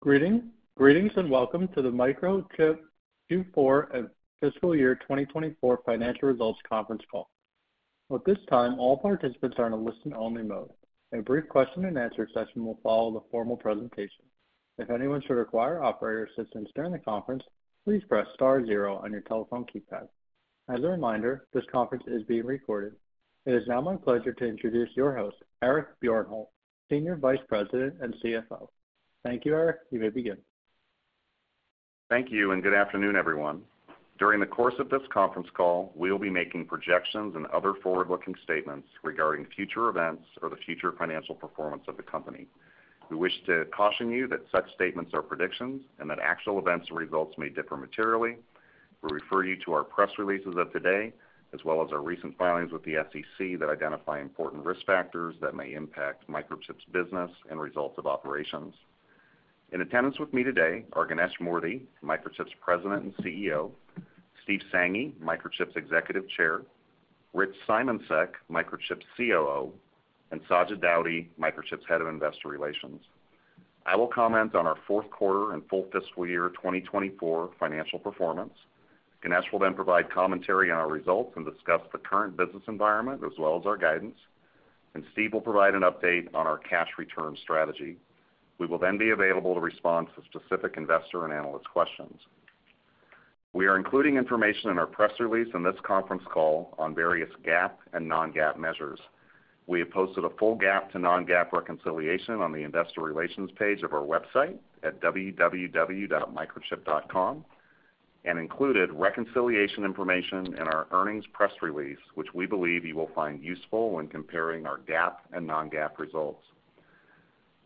Greetings and welcome to the Microchip Q4 of Fiscal Year 2024 Financial Results Conference Call. At this time, all participants are on a listen-only mode. A brief question-and-answer session will follow the formal presentation. If anyone should require operator assistance during the conference, please press star zero on your telephone keypad. As a reminder, this conference is being recorded. It is now my pleasure to introduce your host, Eric Bjornholt, Senior Vice President and CFO. Thank you, Eric. You may begin. Thank you, and good afternoon, everyone. During the course of this conference call, we will be making projections and other forward-looking statements regarding future events or the future financial performance of the company. We wish to caution you that such statements are predictions and that actual events or results may differ materially. We refer you to our press releases of today, as well as our recent filings with the SEC that identify important risk factors that may impact Microchip's business and results of operations. In attendance with me today are Ganesh Moorthy, Microchip's President and CEO; Steve Sanghi, Microchip's Executive Chair; Rich Simoncic, Microchip's COO; and Sajid Daudi, Microchip's Head of Investor Relations. I will comment on our fourth quarter and full fiscal year 2024 financial performance. Ganesh will then provide commentary on our results and discuss the current business environment, as well as our guidance, and Steve will provide an update on our cash return strategy. We will then be available to respond to specific investor and analyst questions. We are including information in our press release in this conference call on various GAAP and non-GAAP measures. We have posted a full GAAP to non-GAAP reconciliation on the investor relations page of our website at www.microchip.com, and included reconciliation information in our earnings press release, which we believe you will find useful when comparing our GAAP and non-GAAP results.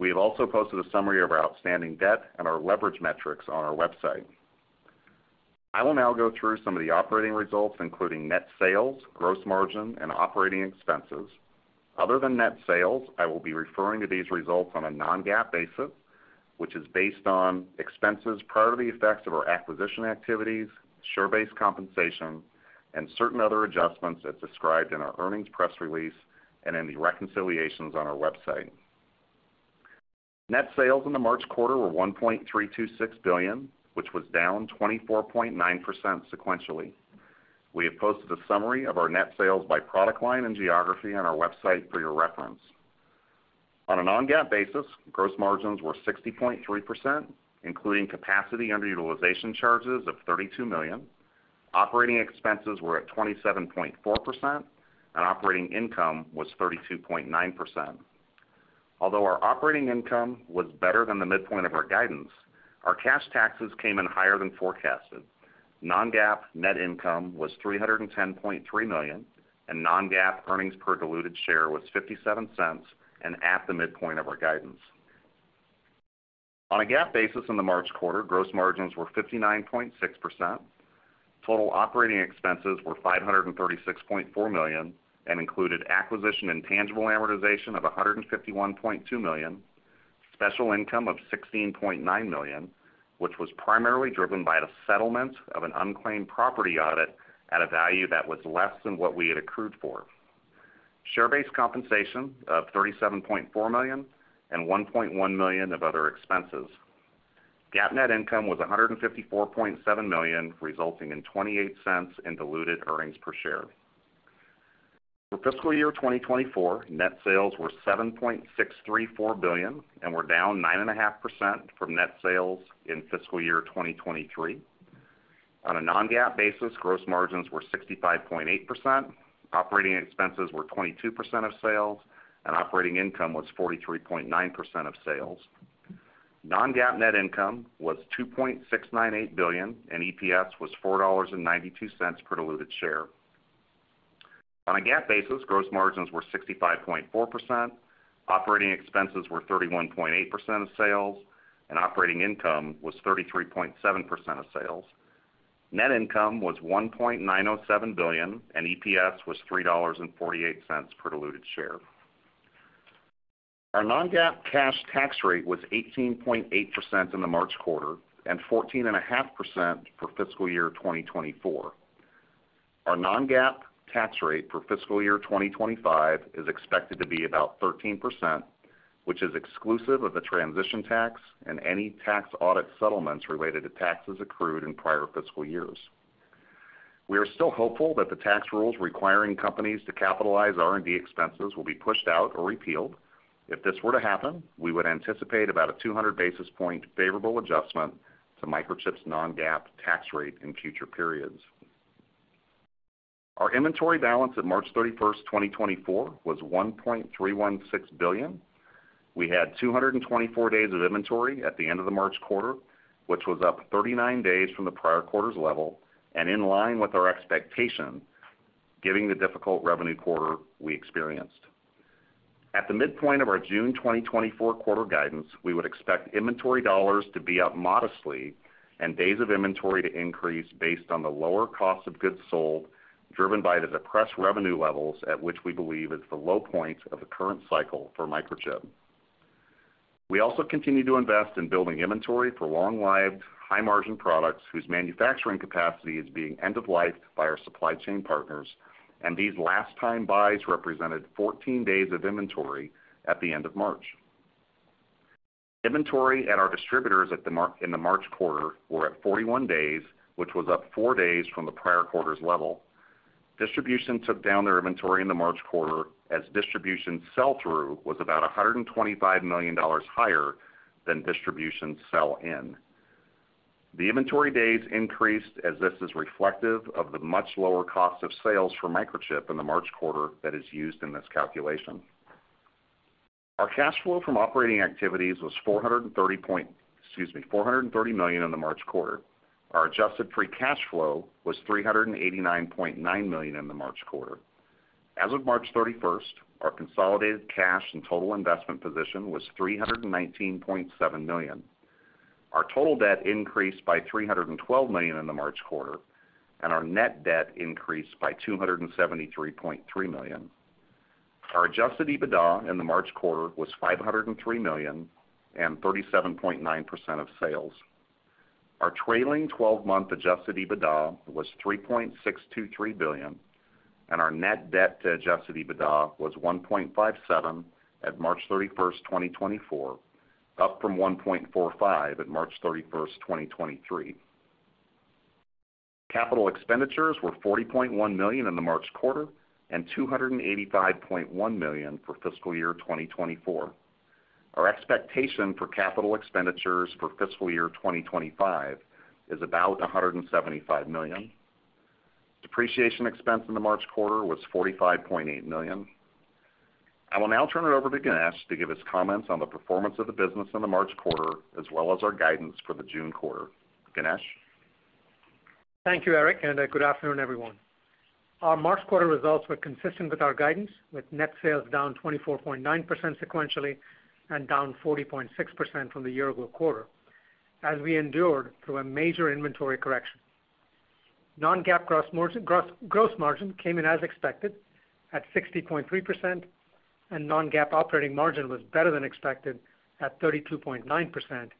We have also posted a summary of our outstanding debt and our leverage metrics on our website. I will now go through some of the operating results, including net sales, gross margin, and operating expenses. Other than net sales, I will be referring to these results on a non-GAAP basis, which is based on expenses prior to the effects of our acquisition activities, share-based compensation, and certain other adjustments as described in our earnings press release and in the reconciliations on our website. Net sales in the March quarter were $1.326 billion, which was down 24.9% sequentially. We have posted a summary of our net sales by product line and geography on our website for your reference. On a non-GAAP basis, gross margins were 60.3%, including capacity underutilization charges of $32 million. Operating expenses were at 27.4%, and operating income was 32.9%. Although our operating income was better than the midpoint of our guidance, our cash taxes came in higher than forecasted. non-GAAP net income was $310.3 million, and non-GAAP earnings per diluted share was $0.57 and at the midpoint of our guidance. On a GAAP basis in the March quarter, gross margins were 59.6%. Total operating expenses were $536.4 million and included acquisition and intangible amortization of $151.2 million, special income of $16.9 million, which was primarily driven by the settlement of an unclaimed property audit at a value that was less than what we had accrued for. Share-based compensation of $37.4 million and $1.1 million of other expenses. GAAP net income was $154.7 million, resulting in $0.28 in diluted earnings per share. For fiscal year 2024, net sales were $7.634 billion and were down 9.5% from net sales in fiscal year 2023. On a non-GAAP basis, gross margins were 65.8%, operating expenses were 22% of sales, and operating income was 43.9% of sales. non-GAAP net income was $2.698 billion, and EPS was $4.92 per diluted share. On a GAAP basis, gross margins were 65.4%, operating expenses were 31.8% of sales, and operating income was 33.7% of sales. Net income was $1.907 billion, and EPS was $3.48 per diluted share. Our non-GAAP cash tax rate was 18.8% in the March quarter and 14.5% for fiscal year 2024. Our non-GAAP tax rate for fiscal year 2025 is expected to be about 13%, which is exclusive of the transition tax and any tax audit settlements related to taxes accrued in prior fiscal years. We are still hopeful that the tax rules requiring companies to capitalize R&D expenses will be pushed out or repealed. If this were to happen, we would anticipate about a 200 basis point favorable adjustment to Microchip's non-GAAP tax rate in future periods. Our inventory balance at March 31st, 2024, was $1.316 billion. We had 224 days of inventory at the end of the March quarter, which was up 39 days from the prior quarter's level and in line with our expectation, given the difficult revenue quarter we experienced. At the midpoint of our June 2024 quarter guidance, we would expect inventory dollars to be up modestly and days of inventory to increase based on the lower cost of goods sold, driven by the depressed revenue levels at which we believe is the low point of the current cycle for Microchip. We also continue to invest in building inventory for long-lived, high-margin products whose manufacturing capacity is being end-of-lifed by our supply chain partners, and these last-time buys represented 14 days of inventory at the end of March. Inventory at our distributors in the March quarter were at 41 days, which was up 4 days from the prior quarter's level. Distribution took down their inventory in the March quarter, as distribution sell-through was about $125 million higher than distribution sell-in. The inventory days increased, as this is reflective of the much lower cost of sales for Microchip in the March quarter that is used in this calculation. Our cash flow from operating activities was $430 million in the March quarter. Our adjusted free cash flow was $389.9 million in the March quarter. As of March 31st, our consolidated cash and total investment position was $319.7 million. Our total debt increased by $312 million in the March quarter, and our net debt increased by $273.3 million. Our Adjusted EBITDA in the March quarter was $503 million and 37.9% of sales. Our trailing 12-month Adjusted EBITDA was $3.623 billion, and our net debt to Adjusted EBITDA was 1.57 at March 31st, 2024, up from 1.45 at March 31st, 2023. Capital expenditures were $40.1 million in the March quarter and $285.1 million for fiscal year 2024. Our expectation for capital expenditures for fiscal year 2025 is about $175 million. Depreciation expense in the March quarter was $45.8 million. I will now turn it over to Ganesh to give his comments on the performance of the business in the March quarter, as well as our guidance for the June quarter. Ganesh? Thank you, Eric, and good afternoon, everyone. Our March quarter results were consistent with our guidance, with net sales down 24.9% sequentially and down 40.6% from the year-ago quarter, as we endured through a major inventory correction. non-GAAP gross margin came in as expected at 60.3%, and non-GAAP operating margin was better than expected at 32.9%,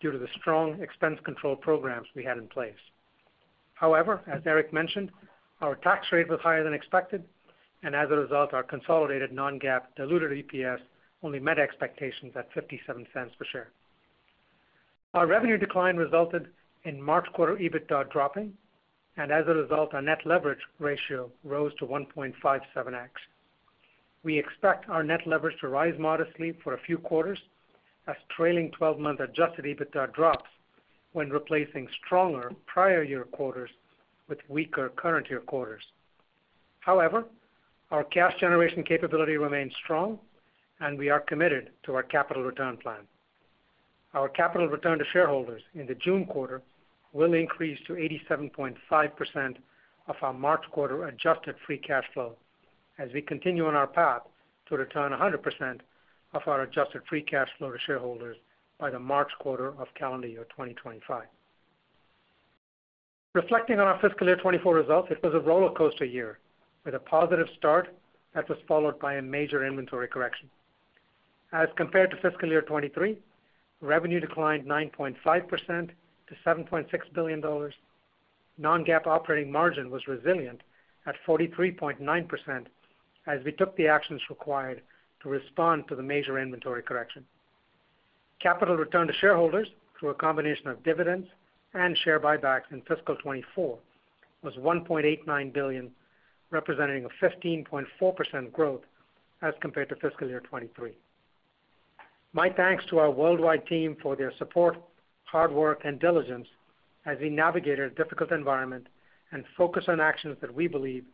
due to the strong expense control programs we had in place. However, as Eric mentioned, our tax rate was higher than expected, and as a result, our consolidated non-GAAP diluted EPS only met expectations at $0.57 per share. Our revenue decline resulted in March quarter EBITDA dropping, and as a result, our net leverage ratio rose to 1.57x. We expect our net leverage to rise modestly for a few quarters as trailing 12-month Adjusted EBITDA drops when replacing stronger prior year quarters with weaker current year quarters. However, our cash generation capability remains strong, and we are committed to our capital return plan. Our capital return to shareholders in the June quarter will increase to 87.5% of our March quarter adjusted free cash flow, as we continue on our path to return 100% of our adjusted free cash flow to shareholders by the March quarter of calendar year 2025. Reflecting on our fiscal year 2024 results, it was a rollercoaster year, with a positive start that was followed by a major inventory correction. As compared to fiscal year 2023, revenue declined 9.5% to $7.6 billion. non-GAAP operating margin was resilient at 43.9%, as we took the actions required to respond to the major inventory correction. Capital return to shareholders, through a combination of dividends and share buybacks in fiscal 2024, was $1.89 billion, representing a 15.4% growth as compared to fiscal year 2023. My thanks to our worldwide team for their support, hard work, and diligence as we navigate a difficult environment and focus on actions that we believe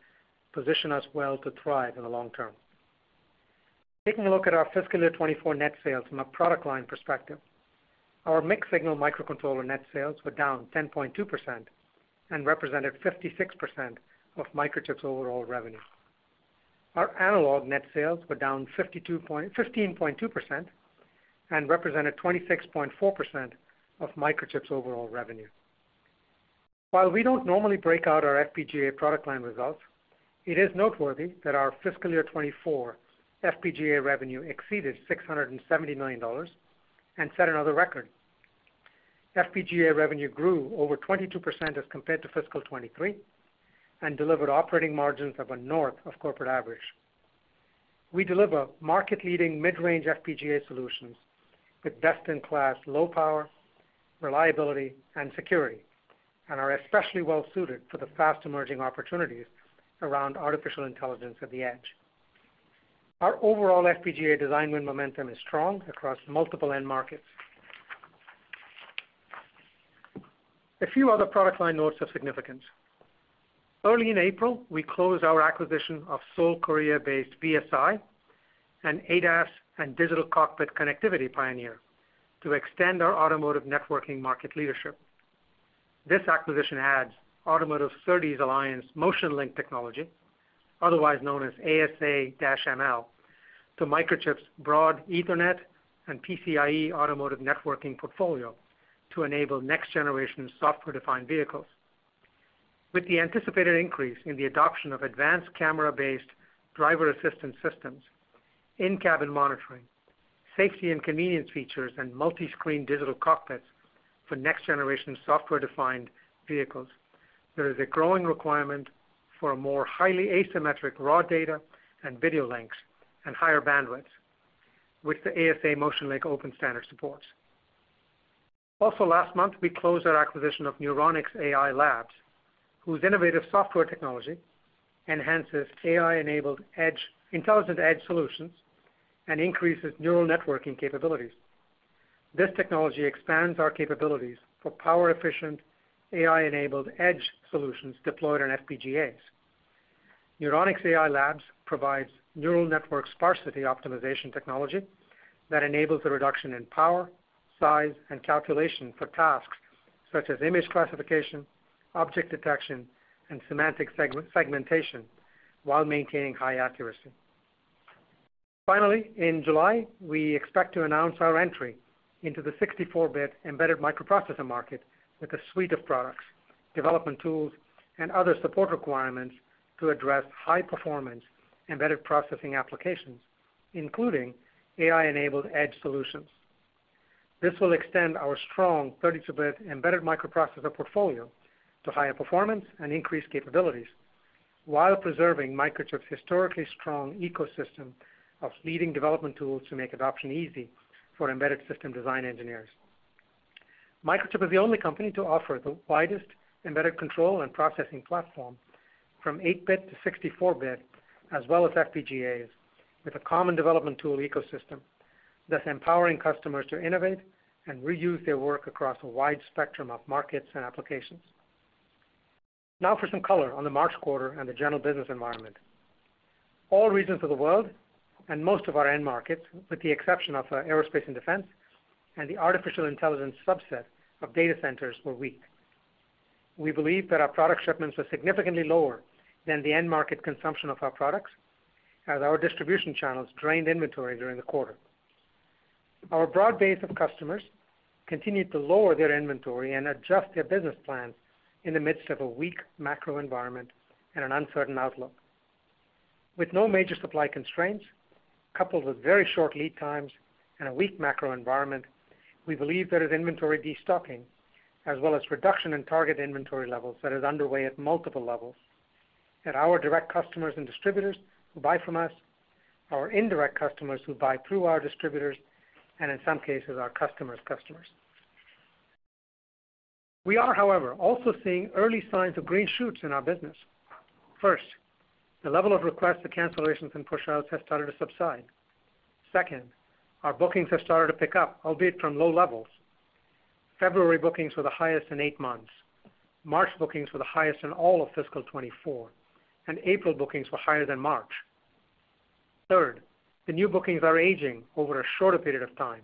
position us well to thrive in the long term. Taking a look at our fiscal year 2024 net sales from a product line perspective, our mixed-signal microcontroller net sales were down 10.2% and represented 56% of Microchip's overall revenue. Our analog net sales were down 15.2% and represented 26.4% of Microchip's overall revenue. While we don't normally break out our FPGA product line results, it is noteworthy that our fiscal year 2024 FPGA revenue exceeded $670 million and set another record. FPGA revenue grew over 22% as compared to fiscal 2023 and delivered operating margins north of corporate average. We deliver market-leading mid-range FPGA solutions with best-in-class low power, reliability, and security, and are especially well suited for the fast-emerging opportunities around artificial intelligence at the Edge. Our overall FPGA design win momentum is strong across multiple end markets. A few other product line notes of significance. Early in April, we closed our acquisition of Seoul, Korea-based VSI, an ADAS and digital cockpit connectivity pioneer, to extend our automotive networking market leadership. This acquisition adds Automotive SerDes Alliance Motion Link technology, otherwise known as ASA-ML, to Microchip's broad Ethernet and PCIe automotive networking portfolio to enable next-generation software-defined vehicles. With the anticipated increase in the adoption of advanced camera-based driver assistance systems, in-cabin monitoring, safety and convenience features, and multi-screen digital cockpits for next-generation software-defined vehicles,... There is a growing requirement for a more highly asymmetric raw data and video links and higher bandwidth, which the ASA Motion Link open standard supports. Also last month, we closed our acquisition of Neuronix AI Labs, whose innovative software technology enhances AI-enabled edge, intelligent edge solutions, and increases neural networking capabilities. This technology expands our capabilities for power-efficient, AI-enabled edge solutions deployed on FPGAs. Neuronix AI Labs provides neural network sparsity optimization technology that enables the reduction in power, size, and calculation for tasks such as image classification, object detection, and semantic segmentation, while maintaining high accuracy. Finally, in July, we expect to announce our entry into the 64-bit embedded microprocessor market with a suite of products, development tools, and other support requirements to address high-performance embedded processing applications, including AI-enabled edge solutions. This will extend our strong 32-bit embedded microprocessor portfolio to higher performance and increased capabilities, while preserving Microchip's historically strong ecosystem of leading development tools to make adoption easy for embedded system design engineers. Microchip is the only company to offer the widest embedded control and processing platform, from 8-bit to 64-bit, as well as FPGAs, with a common development tool ecosystem that's empowering customers to innovate and reuse their work across a wide spectrum of markets and applications. Now for some color on the March quarter and the general business environment. All regions of the world and most of our end markets, with the exception of, aerospace and defense, and the artificial intelligence subset of data centers, were weak. We believe that our product shipments are significantly lower than the end market consumption of our products, as our distribution channels drained inventory during the quarter. Our broad base of customers continued to lower their inventory and adjust their business plans in the midst of a weak macro environment and an uncertain outlook. With no major supply constraints, coupled with very short lead times and a weak macro environment, we believe there is inventory destocking, as well as reduction in target inventory levels that is underway at multiple levels, at our direct customers and distributors who buy from us, our indirect customers who buy through our distributors, and in some cases, our customers' customers. We are, however, also seeing early signs of green shoots in our business. First, the level of requests for cancellations and pushouts has started to subside. Second, our bookings have started to pick up, albeit from low levels. February bookings were the highest in eight months. March bookings were the highest in all of fiscal 2024, and April bookings were higher than March. Third, the new bookings are aging over a shorter period of time.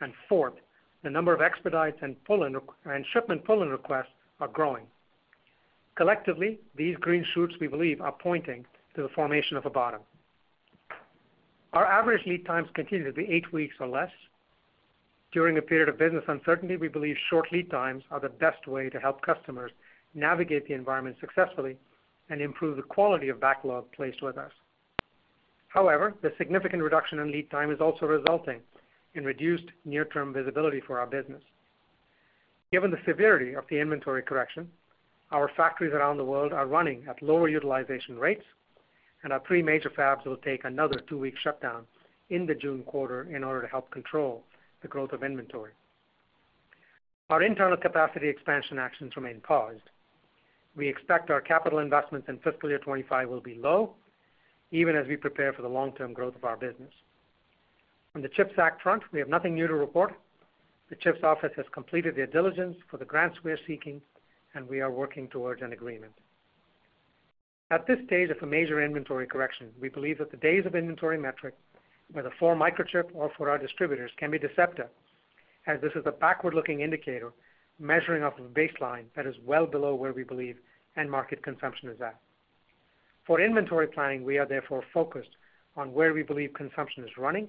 And fourth, the number of expedites and pull-in and shipment pull-in requests are growing. Collectively, these green shoots, we believe, are pointing to the formation of a bottom. Our average lead times continue to be eight weeks or less. During a period of business uncertainty, we believe short lead times are the best way to help customers navigate the environment successfully and improve the quality of backlog placed with us. However, the significant reduction in lead time is also resulting in reduced near-term visibility for our business. Given the severity of the inventory correction, our factories around the world are running at lower utilization rates, and our three major fabs will take another two-week shutdown in the June quarter in order to help control the growth of inventory. Our internal capacity expansion actions remain paused. We expect our capital investments in fiscal year 2025 will be low, even as we prepare for the long-term growth of our business. On the CHIPS Act front, we have nothing new to report. The CHIPS office has completed their diligence for the grants we are seeking, and we are working towards an agreement. At this stage of a major inventory correction, we believe that the days of inventory metric, whether for Microchip or for our distributors, can be deceptive, as this is a backward-looking indicator measuring off a baseline that is well below where we believe end market consumption is at. For inventory planning, we are therefore focused on where we believe consumption is running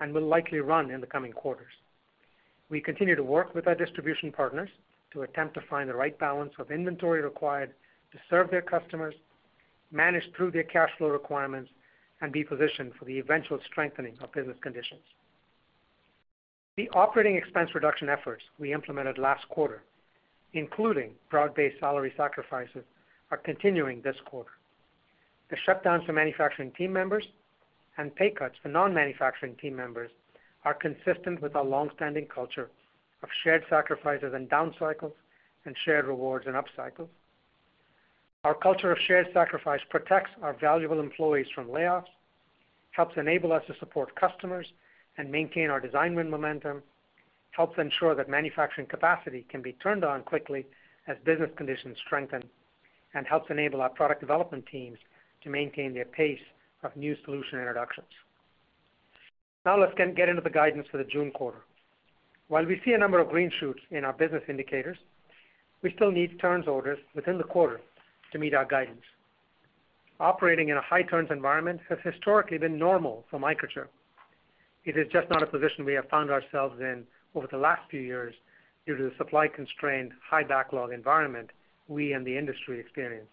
and will likely run in the coming quarters. We continue to work with our distribution partners to attempt to find the right balance of inventory required to serve their customers, manage through their cash flow requirements, and be positioned for the eventual strengthening of business conditions. The operating expense reduction efforts we implemented last quarter, including broad-based salary sacrifices, are continuing this quarter. The shutdowns for manufacturing team members and pay cuts for non-manufacturing team members are consistent with our long-standing culture of shared sacrifices in down cycles and shared rewards in up cycles. Our culture of shared sacrifice protects our valuable employees from layoffs, helps enable us to support customers and maintain our design win momentum, helps ensure that manufacturing capacity can be turned on quickly as business conditions strengthen, and helps enable our product development teams to maintain their pace of new solution introductions. Now let's get into the guidance for the June quarter. While we see a number of green shoots in our business indicators, we still need turns orders within the quarter to meet our guidance. Operating in a high-turns environment has historically been normal for Microchip. It is just not a position we have found ourselves in over the last few years due to the supply-constrained, high backlog environment we and the industry experienced....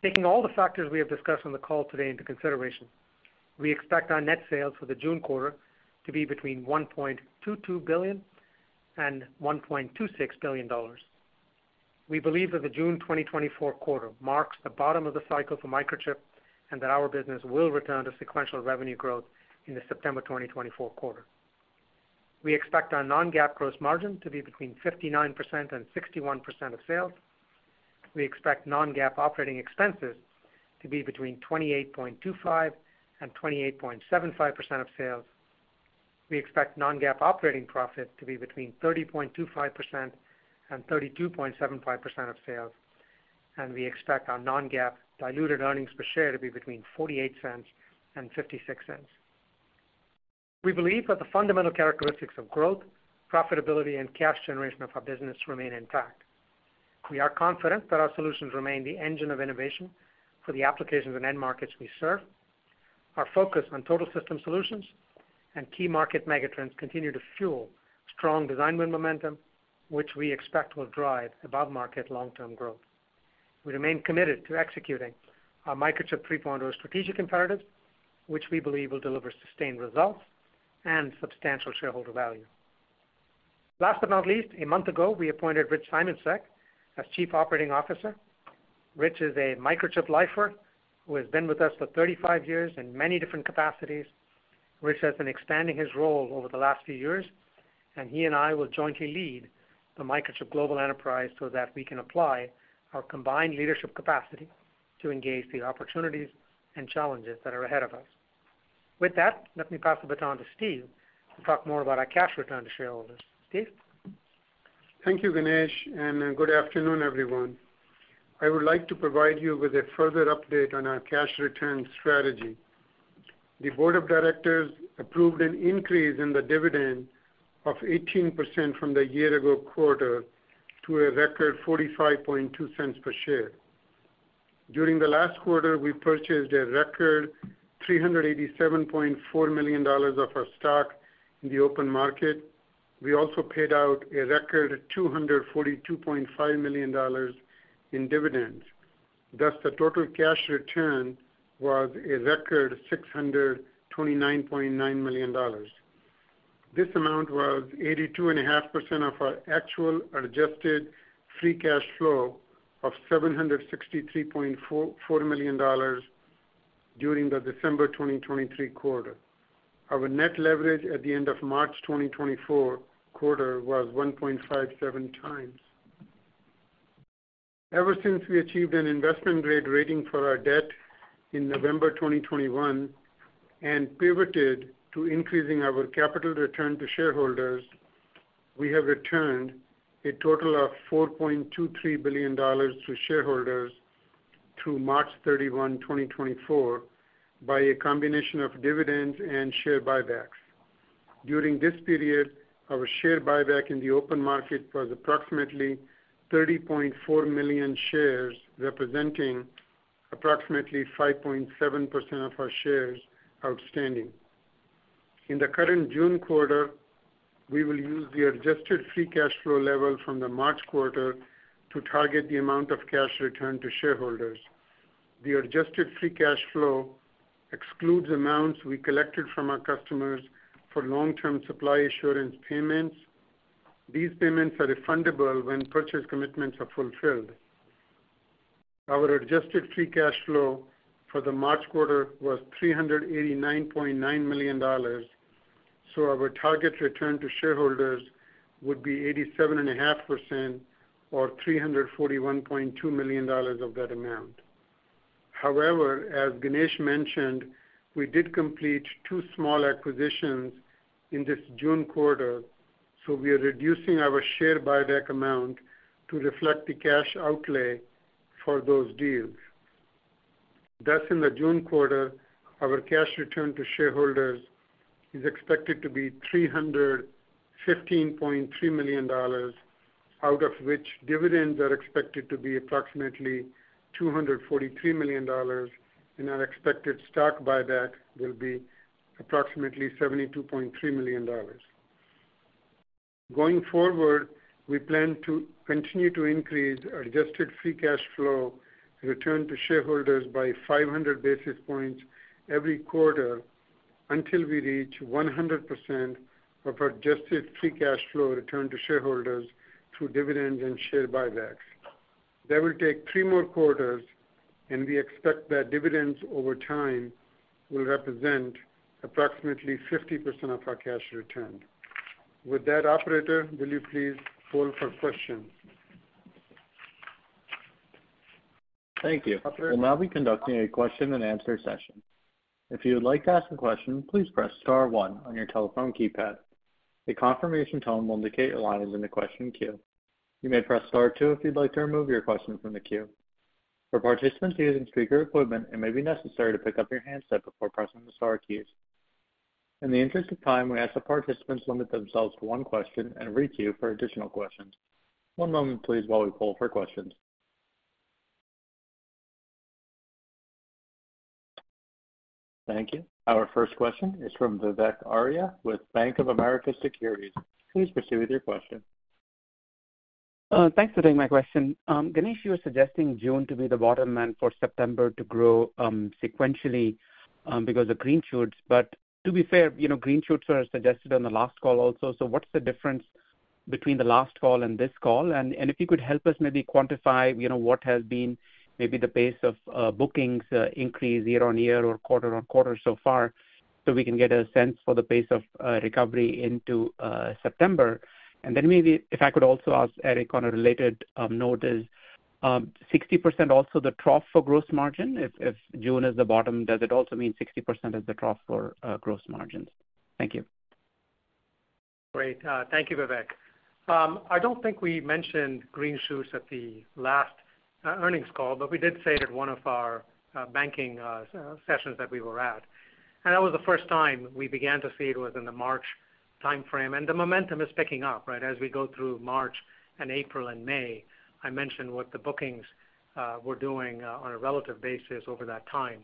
Taking all the factors we have discussed on the call today into consideration, we expect our net sales for the June quarter to be between $1.22 billion and $1.26 billion. We believe that the June 2024 quarter marks the bottom of the cycle for Microchip, and that our business will return to sequential revenue growth in the September 2024 quarter. We expect our non-GAAP gross margin to be between 59% and 61% of sales. We expect non-GAAP operating expenses to be between 28.25% and 28.75% of sales. We expect non-GAAP operating profit to be between 30.25% and 32.75% of sales, and we expect our non-GAAP diluted earnings per share to be between $0.48 and $0.56. We believe that the fundamental characteristics of growth, profitability, and cash generation of our business remain intact. We are confident that our solutions remain the engine of innovation for the applications and end markets we serve. Our focus on total system solutions and key market megatrends continue to fuel strong design win momentum, which we expect will drive above-market long-term growth. We remain committed to executing our Microchip 3.0 strategic imperatives, which we believe will deliver sustained results and substantial shareholder value. Last but not least, a month ago, we appointed Rich Simoncic as Chief Operating Officer. Rich is a Microchip lifer who has been with us for 35 years in many different capacities. Rich has been expanding his role over the last few years, and he and I will jointly lead the Microchip global enterprise so that we can apply our combined leadership capacity to engage the opportunities and challenges that are ahead of us. With that, let me pass the baton to Steve to talk more about our cash return to shareholders. Steve? Thank you, Ganesh, and good afternoon, everyone. I would like to provide you with a further update on our cash return strategy. The Board of Directors approved an increase in the dividend of 18% from the year ago quarter to a record $0.452 per share. During the last quarter, we purchased a record $387.4 million of our stock in the open market. We also paid out a record $242.5 million in dividends. Thus, the total cash return was a record $629.9 million. This amount was 82.5% of our actual adjusted free cash flow of $763.44 million during the December 2023 quarter. Our net leverage at the end of March 2024 quarter was 1.57x. Ever since we achieved an investment-grade rating for our debt in November 2021 and pivoted to increasing our capital return to shareholders, we have returned a total of $4.23 billion to shareholders through March 31, 2024, by a combination of dividends and share buybacks. During this period, our share buyback in the open market was approximately 30.4 million shares, representing approximately 5.7% of our shares outstanding. In the current June quarter, we will use the adjusted free cash flow level from the March quarter to target the amount of cash returned to shareholders. The adjusted free cash flow excludes amounts we collected from our customers for long-term supply assurance payments. These payments are refundable when purchase commitments are fulfilled. Our adjusted free cash flow for the March quarter was $389.9 million, so our target return to shareholders would be 87.5% or $341.2 million of that amount. However, as Ganesh mentioned, we did complete two small acquisitions in this June quarter, so we are reducing our share buyback amount to reflect the cash outlay for those deals. Thus, in the June quarter, our cash return to shareholders is expected to be $315.3 million, out of which dividends are expected to be approximately $243 million, and our expected stock buyback will be approximately $72.3 million. Going forward, we plan to continue to increase our adjusted free cash flow return to shareholders by 500 basis points every quarter, until we reach 100% of our adjusted free cash flow return to shareholders through dividends and share buybacks. That will take three more quarters, and we expect that dividends over time will represent approximately 50% of our cash return. With that, operator, will you please poll for questions? Thank you. We'll now be conducting a question-and-answer session. If you would like to ask a question, please press star one on your telephone keypad. A confirmation tone will indicate your line is in the question queue. You may press star two if you'd like to remove your question from the queue. For participants using speaker equipment, it may be necessary to pick up your handset before pressing the star keys. In the interest of time, we ask that participants limit themselves to one question and queue for additional questions. One moment, please, while we poll for questions. Thank you. Our first question is from Vivek Arya with Bank of America Securities. Please proceed with your question. Thanks for taking my question. Ganesh, you were suggesting June to be the bottom and for September to grow sequentially because of green shoots. But to be fair, you know, green shoots were suggested on the last call also, so what's the difference between the last call and this call? And if you could help us maybe quantify, you know, what has been maybe the pace of bookings increase year-on-year or quarter-on-quarter so far, so we can get a sense for the pace of recovery into September. And then maybe if I could also ask Eric on a related note is 60% also the trough for gross margin, if June is the bottom, does it also mean 60% is the trough for gross margins? Thank you. Great. Thank you, Vivek. I don't think we mentioned green shoots at the last earnings call, but we did say it at one of our banking sessions that we were at, and that was the first time we began to see it was in the March timeframe, and the momentum is picking up, right? As we go through March and April and May, I mentioned what the bookings were doing on a relative basis over that time.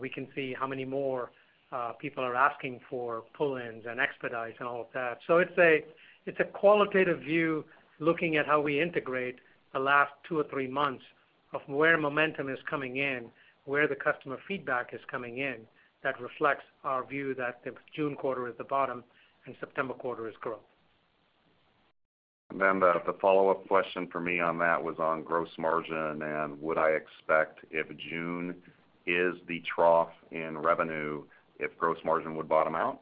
We can see how many more people are asking for pull-ins and expedites and all of that. So it's a, it's a qualitative view, looking at how we integrate the last two or three months of where momentum is coming in, where the customer feedback is coming in, that reflects our view that the June quarter is the bottom and September quarter is growth. Then the follow-up question for me on that was on gross margin, and would I expect if June is the trough in revenue, if gross margin would bottom out?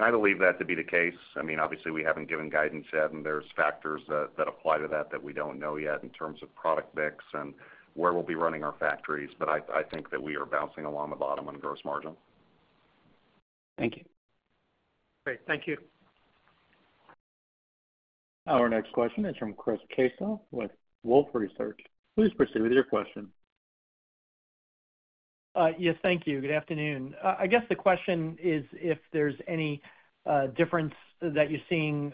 I believe that to be the case. I mean, obviously, we haven't given guidance yet, and there's factors that apply to that that we don't know yet in terms of product mix and where we'll be running our factories, but I think that we are bouncing along the bottom on gross margin. Thank you. Great. Thank you. Our next question is from Chris Caso with Wolfe Research. Please proceed with your question. Yes, thank you. Good afternoon. I guess the question is if there's any difference that you're seeing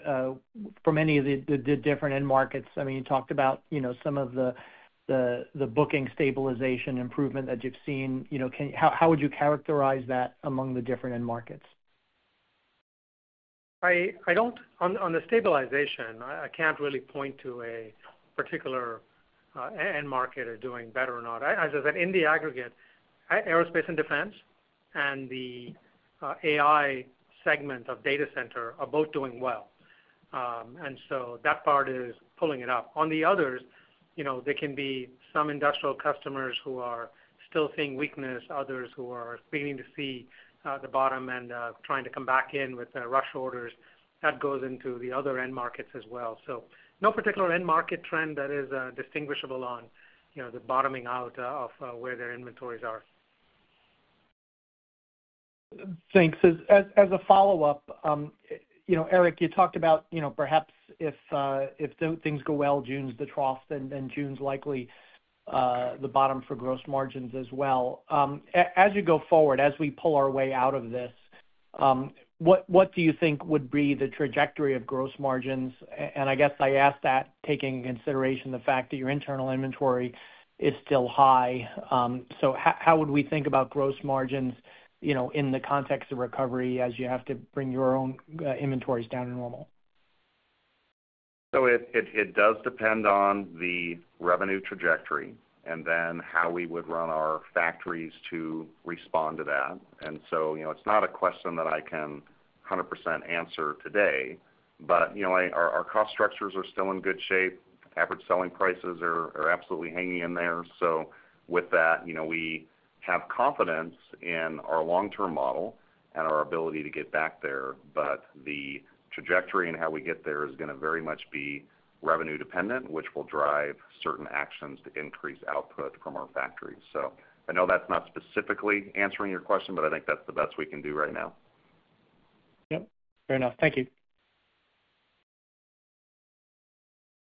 from any of the different end markets. I mean, you know, some of the booking stabilization improvement that you've seen. You know, how would you characterize that among the different end markets? On the stabilization, I can't really point to a particular end market as doing better or not. As I said, in the aggregate, aerospace and defense and the AI segment of data center are both doing well. And so that part is pulling it up. On the others, you know, there can be some industrial customers who are still seeing weakness, others who are beginning to see the bottom and trying to come back in with rush orders. That goes into the other end markets as well. So no particular end market trend that is distinguishable on the bottoming out of where their inventories are. Thanks. As a follow-up, you know, Eric, you talked about, you know, perhaps if the things go well, June's the trough, then June's likely the bottom for gross margins as well. As you go forward, as we pull our way out of this, what do you think would be the trajectory of gross margins? And I guess I ask that taking in consideration the fact that your internal inventory is still high. So how would we think about gross margins, you know, in the context of recovery as you have to bring your own inventories down to normal? So it does depend on the revenue trajectory and then how we would run our factories to respond to that. And so, you know, it's not a question that I can 100% answer today, but, you know, our cost structures are still in good shape. Average selling prices are absolutely hanging in there. So with that, you know, we have confidence in our long-term model and our ability to get back there. But the trajectory and how we get there is gonna very much be revenue dependent, which will drive certain actions to increase output from our factories. So I know that's not specifically answering your question, but I think that's the best we can do right now. Yep. Fair enough. Thank you.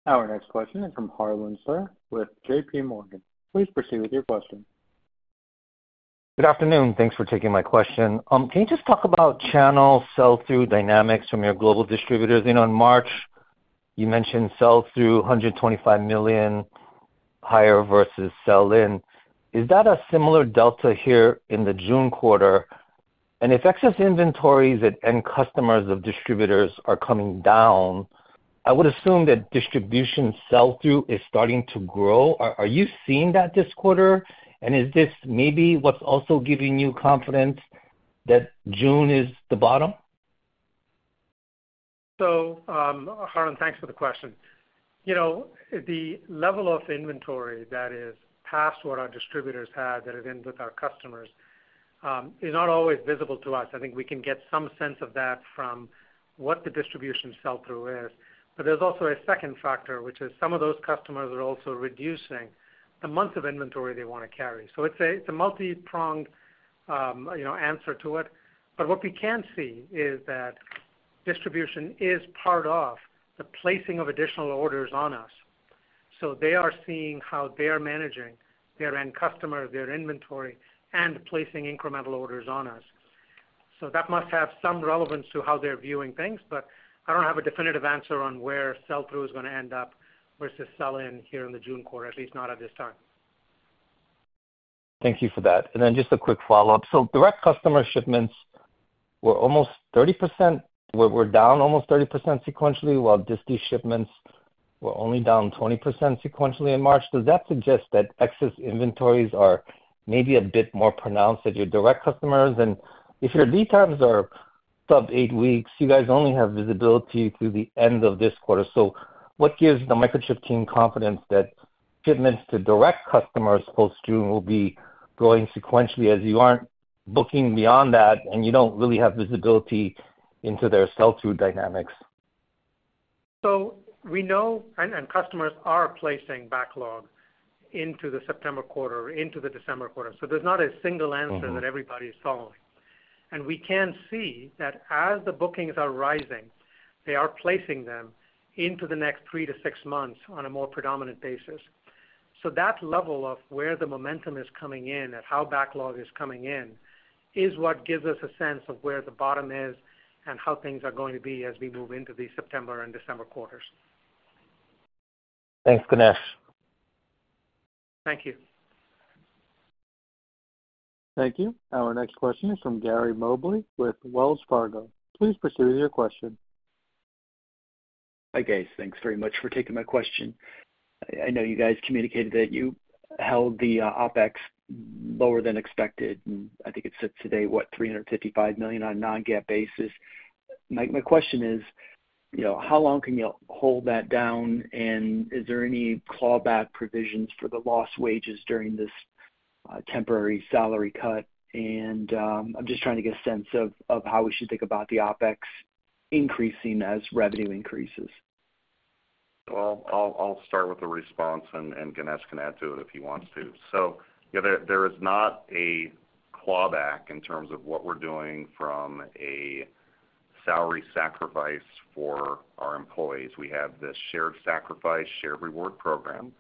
Our next question is from Harlan Sur with JPMorgan. Please proceed with your question. Good afternoon. Thanks for taking my question. Can you just talk about channel sell-through dynamics from your global distributors? You know, in March, you mentioned sell-through, $125 million, higher versus sell-in. Is that a similar delta here in the June quarter? And if excess inventories at end customers of distributors are coming down, I would assume that distribution sell-through is starting to grow. Are you seeing that this quarter? And is this maybe what's also giving you confidence that June is the bottom? So, Harlan, thanks for the question. You know, the level of inventory that is past what our distributors have, that it ends with our customers, is not always visible to us. I think we can get some sense of that from what the distribution sell-through is. But there's also a second factor, which is some of those customers are also reducing the months of inventory they want to carry. So it's a, it's a multipronged, you know, answer to it. But what we can see is that distribution is part of the placing of additional orders on us, so they are seeing how they are managing their end customer, their inventory, and placing incremental orders on us.... So that must have some relevance to how they're viewing things, but I don't have a definitive answer on where sell-through is gonna end up versus sell-in here in the June quarter, at least not at this time. Thank you for that. Then just a quick follow-up. Direct customer shipments were almost 30%, were down almost 30% sequentially, while disti shipments were only down 20% sequentially in March. Does that suggest that excess inventories are maybe a bit more pronounced at your direct customers? If your lead times are sub 8 weeks, you guys only have visibility through the end of this quarter. What gives the Microchip team confidence that shipments to direct customers post-June will be growing sequentially, as you aren't booking beyond that, and you don't really have visibility into their sell-through dynamics? So we know, and customers are placing backlog into the September quarter, into the December quarter. So there's not a single answer- Mm-hmm. - that everybody is following. We can see that as the bookings are rising, they are placing them into the next three to six months on a more predominant basis. That level of where the momentum is coming in and how backlog is coming in is what gives us a sense of where the bottom is and how things are going to be as we move into the September and December quarters. Thanks, Ganesh. Thank you. Thank you. Our next question is from Gary Mobley with Wells Fargo. Please proceed with your question. Hi, guys. Thanks very much for taking my question. I, I know you guys communicated that you held the OpEx lower than expected, and I think it sits today, what, $355 million on a non-GAAP basis. My, my question is, you know, how long can you hold that down? And is there any clawback provisions for the lost wages during this temporary salary cut? And, I'm just trying to get a sense of, of how we should think about the OpEx increasing as revenue increases. Well, I'll start with the response, and Ganesh can add to it if he wants to. So yeah, there is not a clawback in terms of what we're doing from a salary sacrifice for our employees. We have this shared sacrifice, shared reward program,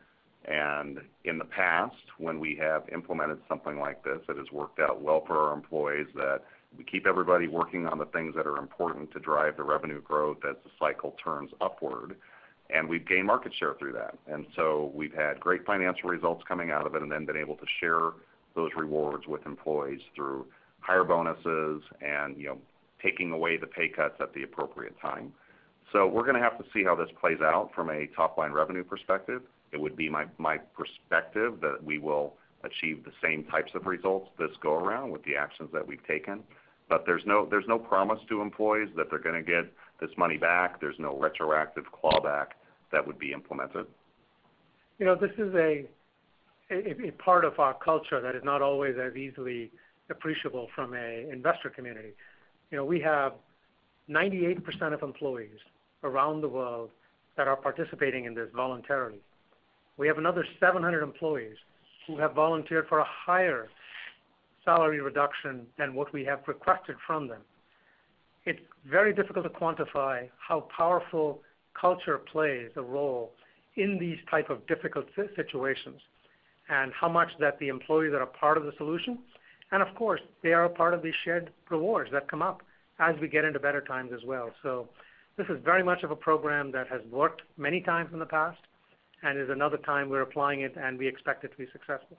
and in the past, when we have implemented something like this, it has worked out well for our employees, that we keep everybody working on the things that are important to drive the revenue growth as the cycle turns upward, and we've gained market share through that. And so we've had great financial results coming out of it and then been able to share those rewards with employees through higher bonuses and, you know, taking away the pay cuts at the appropriate time. So we're gonna have to see how this plays out from a top-line revenue perspective. It would be my perspective that we will achieve the same types of results this go around with the actions that we've taken. But there's no promise to employees that they're gonna get this money back. There's no retroactive clawback that would be implemented. You know, this is a part of our culture that is not always as easily appreciable from the investor community. You know, we have 98% of employees around the world that are participating in this voluntarily. We have another 700 employees who have volunteered for a higher salary reduction than what we have requested from them. It's very difficult to quantify how powerful culture plays a role in these type of difficult situations, and how much that the employees are a part of the solution. And of course, they are a part of these shared rewards that come up as we get into better times as well. So this is very much of a program that has worked many times in the past and is another time we're applying it, and we expect it to be successful.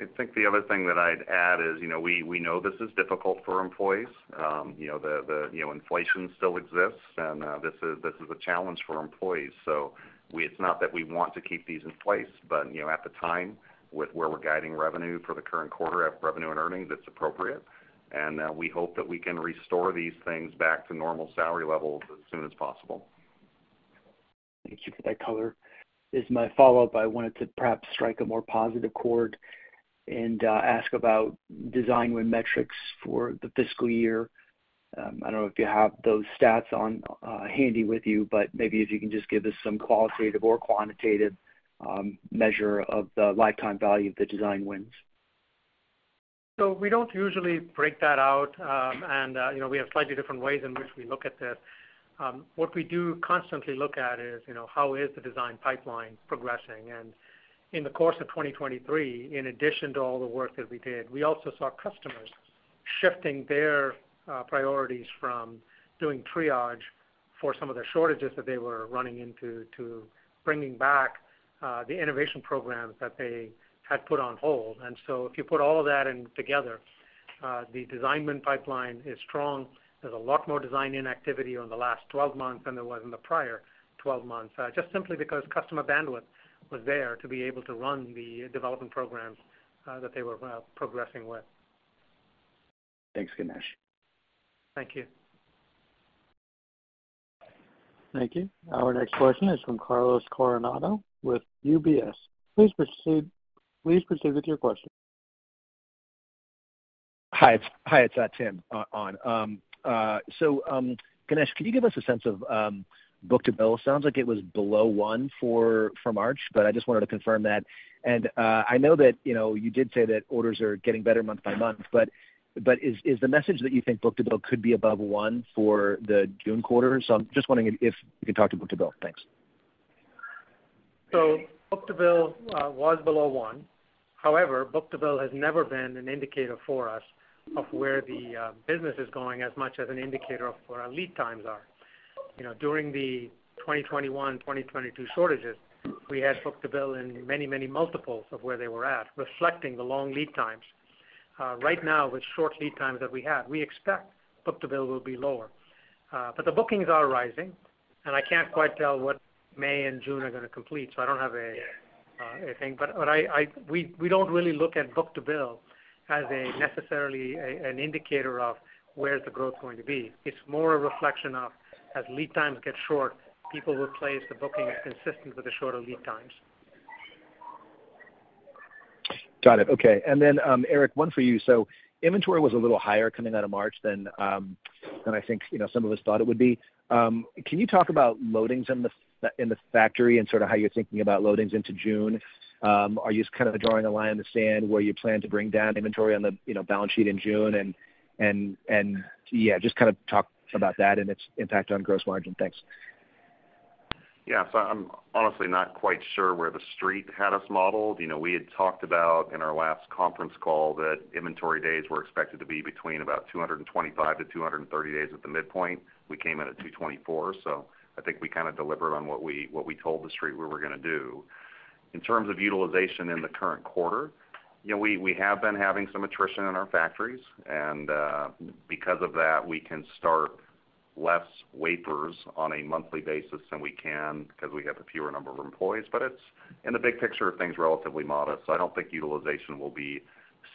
I think the other thing that I'd add is, you know, we know this is difficult for employees. You know, inflation still exists, and this is a challenge for employees. It's not that we want to keep these in place, but, you know, at the time, with where we're guiding revenue for the current quarter, revenue and earnings, it's appropriate, and we hope that we can restore these things back to normal salary levels as soon as possible. Thank you for that color. As my follow-up, I wanted to perhaps strike a more positive chord and ask about design win metrics for the fiscal year. I don't know if you have those stats on hand with you, but maybe if you can just give us some qualitative or quantitative measure of the lifetime value of the design wins. So we don't usually break that out, and, you know, we have slightly different ways in which we look at this. What we do constantly look at is, you know, how is the design pipeline progressing? And in the course of 2023, in addition to all the work that we did, we also saw customers shifting their priorities from doing triage for some of their shortages that they were running into, to bringing back the innovation programs that they had put on hold. And so if you put all of that in together, the design win pipeline is strong. There's a lot more design activity over the last 12 months than there was in the prior 12 months, just simply because customer bandwidth was there to be able to run the development programs that they were progressing with. Thanks, Ganesh. Thank you. Thank you. Our next question is from Carlos Coronado with UBS. Please proceed with your question. Hi, hi, it's Tim on. So, Ganesh, can you give us a sense of book-to-bill? Sounds like it was below one for March, but I just wanted to confirm that. And I know that, you know, you did say that orders are getting better month by month, but is the message that you think book-to-bill could be above one for the June quarter? So I'm just wondering if you could talk to book-to-bill. Thanks.... So book-to-bill was below 1. However, book-to-bill has never been an indicator for us of where the business is going as much as an indicator of where our lead times are. You know, during the 2021, 2022 shortages, we had book-to-bill in many, many multiples of where they were at, reflecting the long lead times. Right now, with short lead times that we have, we expect book-to-bill will be lower. But the bookings are rising, and I can't quite tell what May and June are going to complete, so I don't have a thing. But we don't really look at book-to-bill as necessarily an indicator of where the growth is going to be. It's more a reflection of, as lead times get short, people will place the booking consistent with the shorter lead times. Got it. Okay. And then, Eric, one for you. So inventory was a little higher coming out of March than I think, you know, some of us thought it would be. Can you talk about loadings in the factory and sort of how you're thinking about loadings into June? Are you kind of drawing a line in the sand where you plan to bring down inventory on the, you know, balance sheet in June? And yeah, just kind of talk about that and its impact on gross margin. Thanks. Yeah. So I'm honestly not quite sure where the Street had us modeled. You know, we had talked about in our last conference call that inventory days were expected to be between about 225-230 days at the midpoint. We came in at 224, so I think we kind of delivered on what we, what we told the Street we were going to do. In terms of utilization in the current quarter, you know, we, we have been having some attrition in our factories, and because of that, we can start less wafers on a monthly basis than we can because we have a fewer number of employees. But it's, in the big picture of things, relatively modest. I don't think utilization will be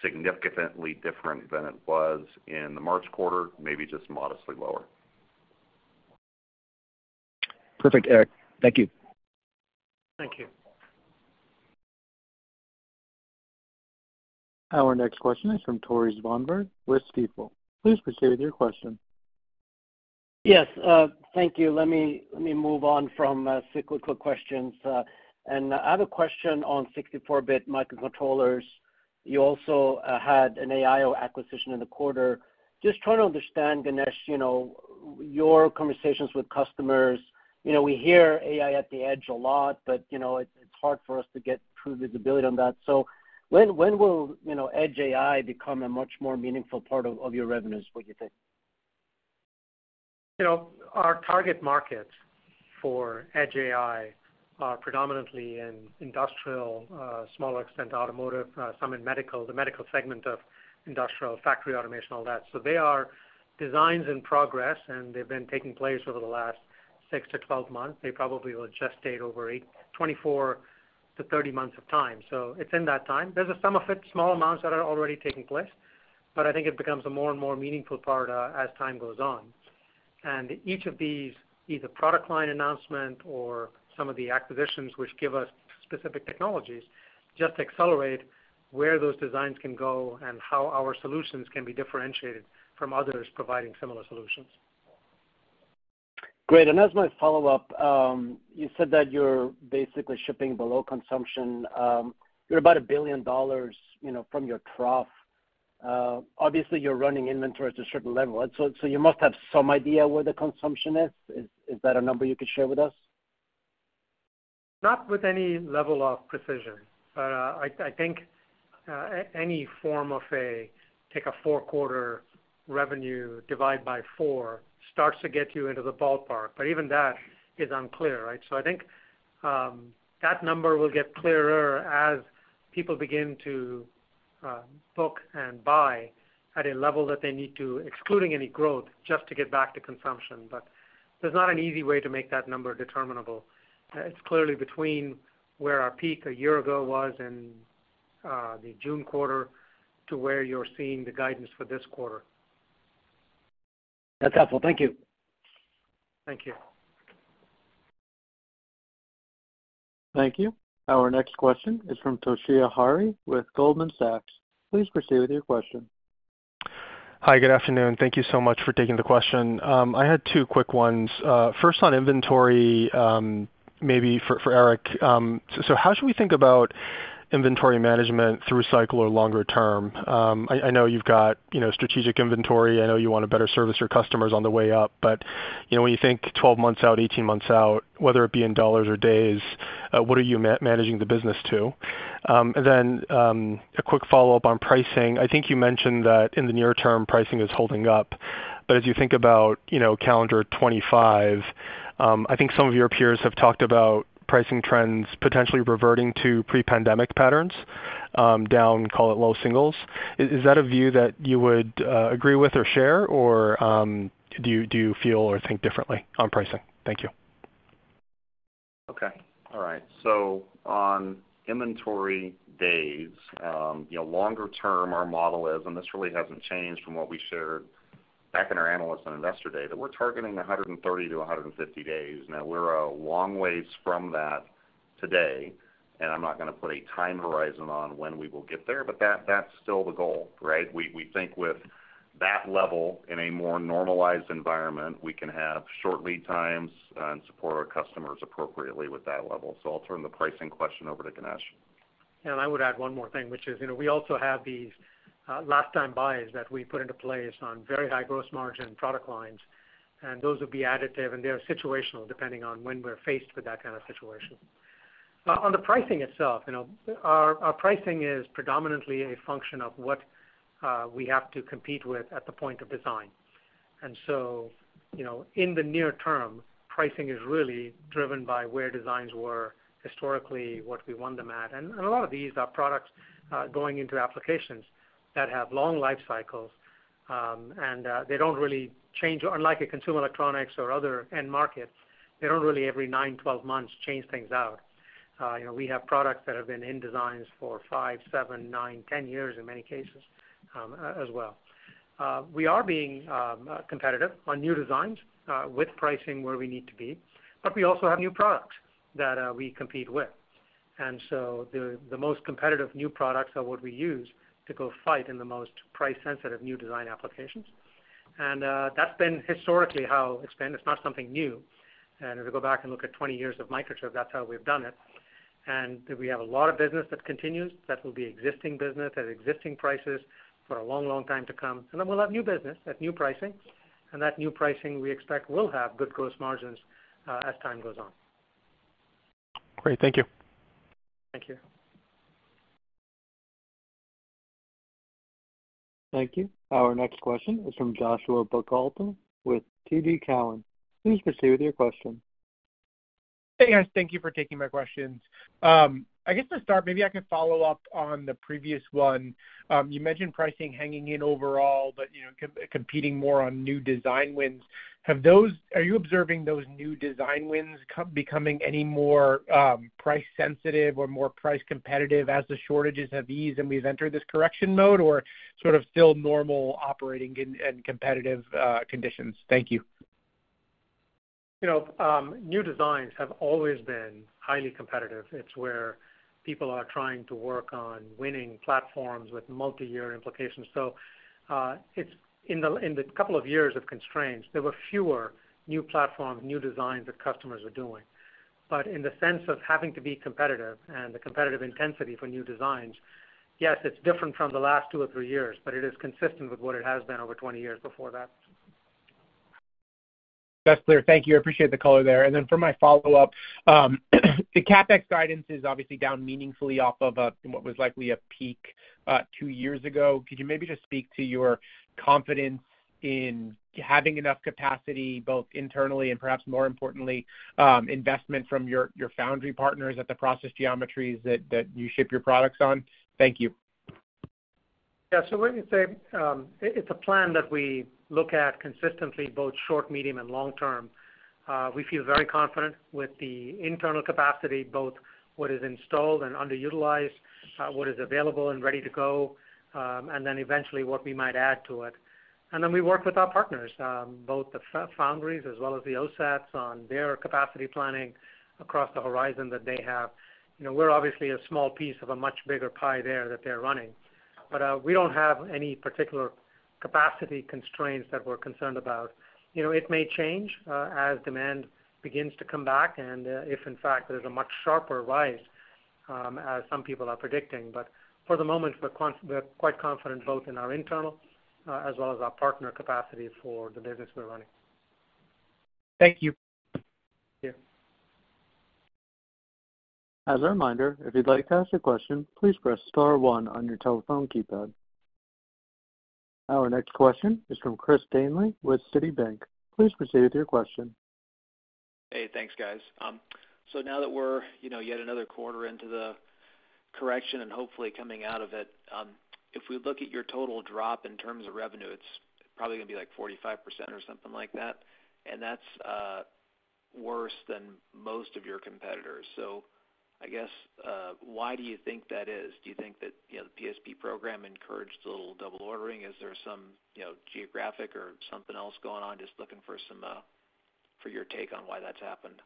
significantly different than it was in the March quarter, maybe just modestly lower. Perfect, Eric. Thank you. Thank you. Our next question is from Tore Svanberg with Stifel. Please proceed with your question. Yes, thank you. Let me move on from cyclical questions. I have a question on 64-bit microcontrollers. You also had an AI acquisition in the quarter. Just trying to understand, Ganesh, you know, your conversations with customers. You know, we hear AI at the edge a lot, but, you know, it's hard for us to get true visibility on that. So when will, you know, edge AI become a much more meaningful part of your revenues, would you think? You know, our target market for Edge AI are predominantly in industrial, small extent automotive, some in medical, the medical segment of industrial, factory automation, all that. So they are designs in progress, and they've been taking place over the last six to 12 months. They probably will gestate over 24-30 months of time. So it's in that time. There's some of it, small amounts that are already taking place, but I think it becomes a more and more meaningful part, as time goes on. And each of these, either product line announcement or some of the acquisitions which give us specific technologies, just accelerate where those designs can go and how our solutions can be differentiated from others providing similar solutions. Great. And as my follow-up, you said that you're basically shipping below consumption. You're about $1 billion, you know, from your trough. Obviously, you're running inventory at a certain level, and so you must have some idea where the consumption is. Is that a number you could share with us? Not with any level of precision, but I think any form of a take a four-quarter revenue divide by four starts to get you into the ballpark, but even that is unclear, right? So I think that number will get clearer as people begin to book and buy at a level that they need to, excluding any growth, just to get back to consumption. But there's not an easy way to make that number determinable. It's clearly between where our peak a year ago was in the June quarter to where you're seeing the guidance for this quarter. That's helpful. Thank you. Thank you. Thank you. Our next question is from Toshiya Hari with Goldman Sachs. Please proceed with your question. Hi, good afternoon. Thank you so much for taking the question. I had two quick ones. First on inventory, maybe for Eric. So how should we think about inventory management through cycle or longer term? I know you've got, you know, strategic inventory. I know you want to better service your customers on the way up, but, you know, when you think 12 months out, 18 months out, whether it be in dollars or days, what are you managing the business to? And then, a quick follow-up on pricing. I think you mentioned that in the near term, pricing is holding up. But as you think about, you know, calendar 2025, I think some of your peers have talked about pricing trends potentially reverting to pre-pandemic patterns, down, call it low singles. Is that a view that you would agree with or share? Or, do you feel or think differently on pricing? Thank you. Okay. All right. So on inventory days, you know, longer term, our model is, and this really hasn't changed from what we shared back in our analyst and investor day, that we're targeting 130-150 days. Now, we're a long ways from that today, and I'm not going to put a time horizon on when we will get there, but that, that's still the goal, right? We, we think with that level in a more normalized environment, we can have short lead times and support our customers appropriately with that level. So I'll turn the pricing question over to Ganesh.... And I would add one more thing, which is, you know, we also have these, last time buys that we put into place on very high gross margin product lines, and those will be additive, and they are situational, depending on when we're faced with that kind of situation. On the pricing itself, you know, our, our pricing is predominantly a function of what, we have to compete with at the point of design. And so, you know, in the near term, pricing is really driven by where designs were historically, what we want them at. And, and a lot of these are products, going into applications that have long life cycles, and, they don't really change. Unlike a consumer electronics or other end markets, they don't really, every nine, 12 months, change things out. You know, we have products that have been in designs for five, seven, nine, 10 years in many cases, as well. We are being competitive on new designs with pricing where we need to be, but we also have new products that we compete with. And so the most competitive new products are what we use to go fight in the most price-sensitive new design applications. And that's been historically how it's been. It's not something new. And if you go back and look at 20 years of Microchip, that's how we've done it. And we have a lot of business that continues, that will be existing business at existing prices for a long, long time to come. And then we'll have new business at new pricing, and that new pricing, we expect, will have good gross margins as time goes on. Great. Thank you. Thank you. Thank you. Our next question is from Joshua Buchalter with TD Cowen. Please proceed with your question. Hey, guys. Thank you for taking my questions. I guess to start, maybe I can follow up on the previous one. You mentioned pricing hanging in overall, but, you know, competing more on new design wins. Are you observing those new design wins becoming any more price sensitive or more price competitive as the shortages have eased and we've entered this correction mode, or sort of still normal operating and competitive conditions? Thank you. You know, new designs have always been highly competitive. It's where people are trying to work on winning platforms with multi-year implications. So, in the couple of years of constraints, there were fewer new platforms, new designs that customers were doing. But in the sense of having to be competitive and the competitive intensity for new designs, yes, it's different from the last two or three years, but it is consistent with what it has been over 20 years before that. That's clear. Thank you. I appreciate the color there. Then for my follow-up, the CapEx guidance is obviously down meaningfully off of what was likely a peak two years ago. Could you maybe just speak to your confidence in having enough capacity, both internally and perhaps more importantly, investment from your foundry partners at the process geometries that you ship your products on? Thank you. Yeah, so let me say, it's a plan that we look at consistently, both short, medium, and long term. We feel very confident with the internal capacity, both what is installed and underutilized, what is available and ready to go, and then eventually, what we might add to it. And then we work with our partners, both the foundries as well as the OSATs, on their capacity planning across the horizon that they have. You know, we're obviously a small piece of a much bigger pie there that they're running, but, we don't have any particular capacity constraints that we're concerned about. You know, it may change, as demand begins to come back, and, if in fact, there's a much sharper rise, as some people are predicting. But for the moment, we're quite confident both in our internal, as well as our partner capacity for the business we're running. Thank you. Yeah. As a reminder, if you'd like to ask a question, please press star one on your telephone keypad. Our next question is from Chris Danely with Citibank. Please proceed with your question. Hey, thanks, guys. So now that we're, you know, yet another quarter into the correction and hopefully coming out of it, if we look at your total drop in terms of revenue, it's probably gonna be like 45% or something like that, and that's worse than most of your competitors. So I guess, why do you think that is? Do you think that, you know, the PSP program encouraged a little double ordering? Is there some, you know, geographic or something else going on? Just looking for some, for your take on why that's happened.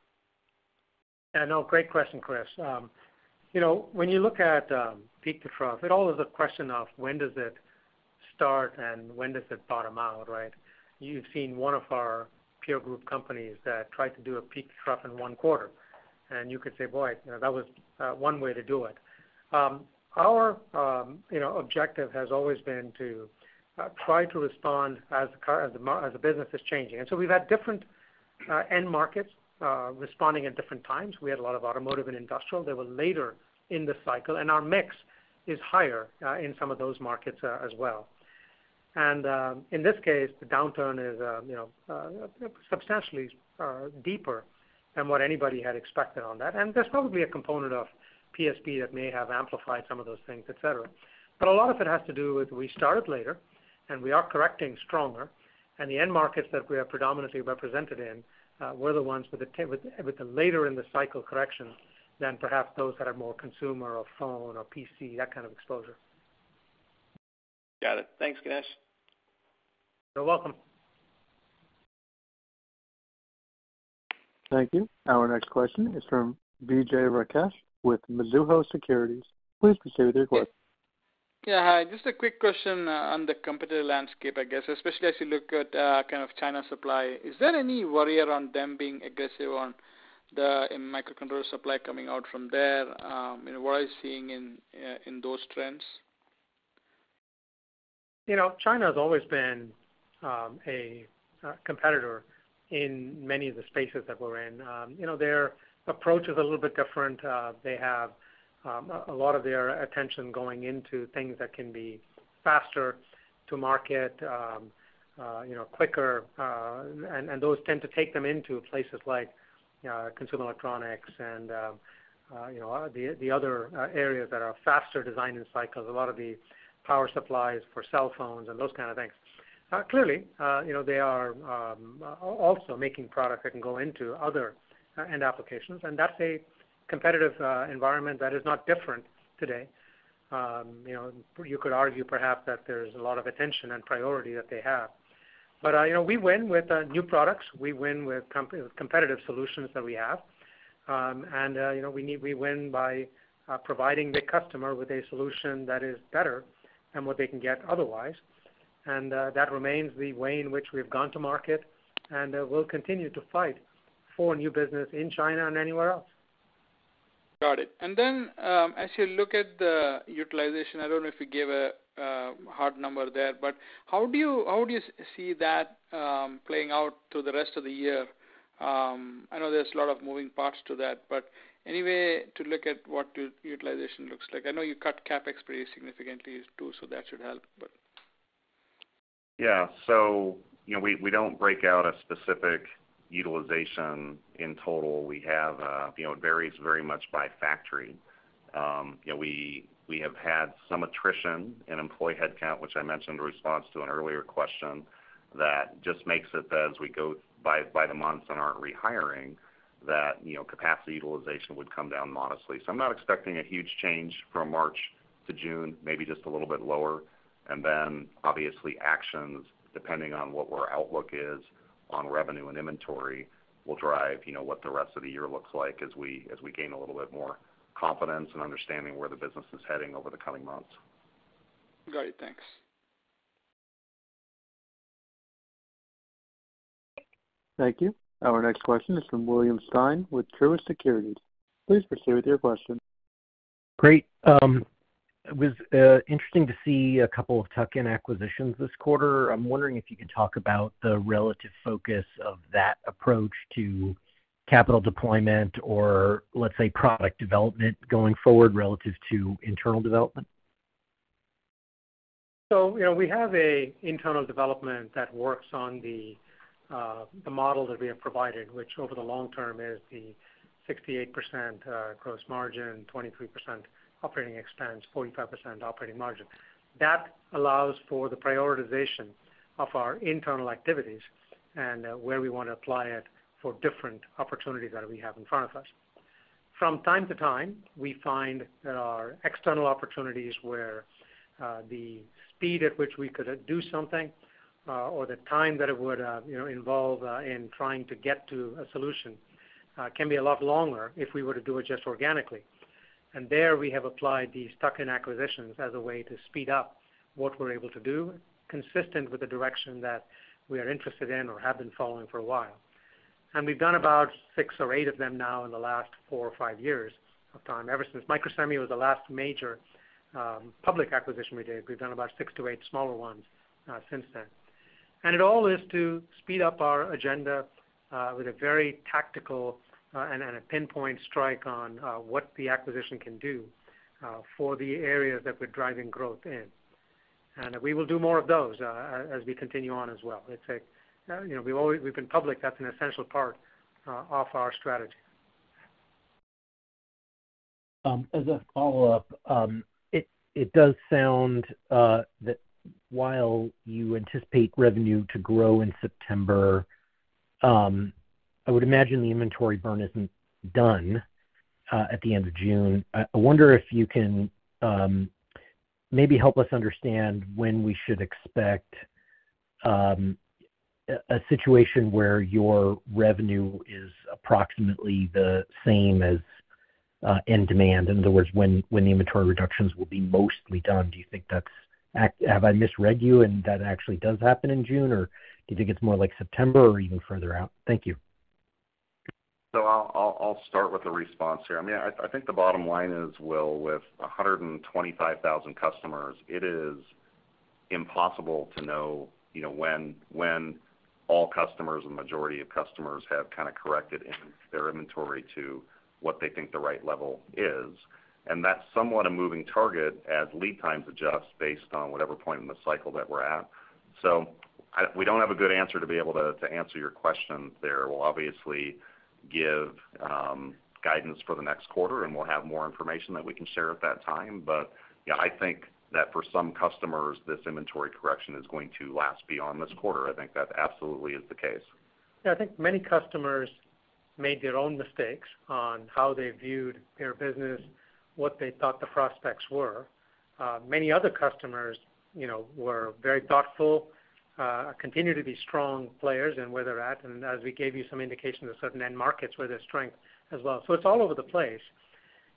Yeah, no, great question, Chris. You know, when you look at peak to trough, it all is a question of when does it start and when does it bottom out, right? You've seen one of our peer group companies that tried to do a peak to trough in one quarter, and you could say, "Boy, you know, that was one way to do it." Our, you know, objective has always been to try to respond as the business is changing. And so we've had different end markets responding at different times. We had a lot of automotive and industrial. They were later in the cycle, and our mix is higher in some of those markets as well. In this case, the downturn is, you know, substantially deeper than what anybody had expected on that. There's probably a component of PSP that may have amplified some of those things, et cetera. But a lot of it has to do with, we started later, and we are correcting stronger, and the end markets that we are predominantly represented in were the ones with the later in the cycle corrections than perhaps those that are more consumer or phone or PC, that kind of exposure. Got it. Thanks, Ganesh. You're welcome. Thank you. Our next question is from Vijay Rakesh with Mizuho Securities. Please proceed with your question. Yeah, hi, just a quick question on the competitive landscape, I guess, especially as you look at kind of China supply. Is there any worry around them being aggressive on the microcontroller supply coming out from there? And what are you seeing in those trends? You know, China has always been a competitor in many of the spaces that we're in. You know, their approach is a little bit different. They have a lot of their attention going into things that can be faster to market, you know, quicker, and those tend to take them into places like consumer electronics and, you know, the other areas that are faster design cycles, a lot of the power supplies for cell phones and those kind of things. Clearly, you know, they are also making products that can go into other end applications, and that's a competitive environment that is not different today. You know, you could argue perhaps that there's a lot of attention and priority that they have. But, you know, we win with new products, we win with competitive solutions that we have. And, you know, we win by providing the customer with a solution that is better than what they can get otherwise. And, that remains the way in which we've gone to market, and we'll continue to fight for new business in China and anywhere else. Got it. Then, as you look at the utilization, I don't know if you gave a hard number there, but how do you see that playing out through the rest of the year? I know there's a lot of moving parts to that, but any way to look at what your utilization looks like? I know you cut CapEx pretty significantly too, so that should help, but. Yeah. So, you know, we, we don't break out a specific utilization in total. We have, you know, it varies very much by factory. You know, we, we have had some attrition in employee headcount, which I mentioned in response to an earlier question, that just makes it that as we go by, by the months and aren't rehiring, that, you know, capacity utilization would come down modestly. So I'm not expecting a huge change from March to June, maybe just a little bit lower. And then, obviously, actions, depending on what our outlook is on revenue and inventory, will drive, you know, what the rest of the year looks like as we, as we gain a little bit more confidence and understanding where the business is heading over the coming months. Got it. Thanks. Thank you. Our next question is from William Stein with Truist Securities. Please proceed with your question. Great. It was interesting to see a couple of tuck-in acquisitions this quarter. I'm wondering if you could talk about the relative focus of that approach to capital deployment, or let's say, product development going forward relative to internal development. So, you know, we have an internal development that works on the model that we have provided, which over the long term is the 68% gross margin, 23% operating expense, 45% operating margin. That allows for the prioritization of our internal activities and where we want to apply it for different opportunities that we have in front of us. From time to time, we find there are external opportunities where the speed at which we could do something or the time that it would, you know, involve in trying to get to a solution can be a lot longer if we were to do it just organically. There, we have applied these tuck-in acquisitions as a way to speed up what we're able to do, consistent with the direction that we are interested in or have been following for a while. We've done about six or eight of them now in the last four or five years of time, ever since Microsemi was the last major, public acquisition we did. We've done about six to eight smaller ones, since then. It all is to speed up our agenda, with a very tactical and a pinpoint strike on, what the acquisition can do, for the areas that we're driving growth in. We will do more of those, as we continue on as well. It's a, you know, we've always been public, that's an essential part, of our strategy. As a follow-up, it does sound that while you anticipate revenue to grow in September, I would imagine the inventory burn isn't done at the end of June. I wonder if you can maybe help us understand when we should expect a situation where your revenue is approximately the same as in demand. In other words, when the inventory reductions will be mostly done. Do you think that's accurate? Have I misread you, and that actually does happen in June, or do you think it's more like September or even further out? Thank you. So I'll start with the response here. I mean, I think the bottom line is, Will, with 125,000 customers, it is impossible to know, you know, when all customers or majority of customers have kind of corrected in their inventory to what they think the right level is. And that's somewhat a moving target as lead times adjust based on whatever point in the cycle that we're at. So we don't have a good answer to be able to answer your question there. We'll obviously give guidance for the next quarter, and we'll have more information that we can share at that time. But, yeah, I think that for some customers, this inventory correction is going to last beyond this quarter. I think that absolutely is the case. Yeah, I think many customers made their own mistakes on how they viewed their business, what they thought the prospects were. Many other customers, you know, were very thoughtful, continue to be strong players in where they're at, and as we gave you some indication of certain end markets where there's strength as well. So it's all over the place.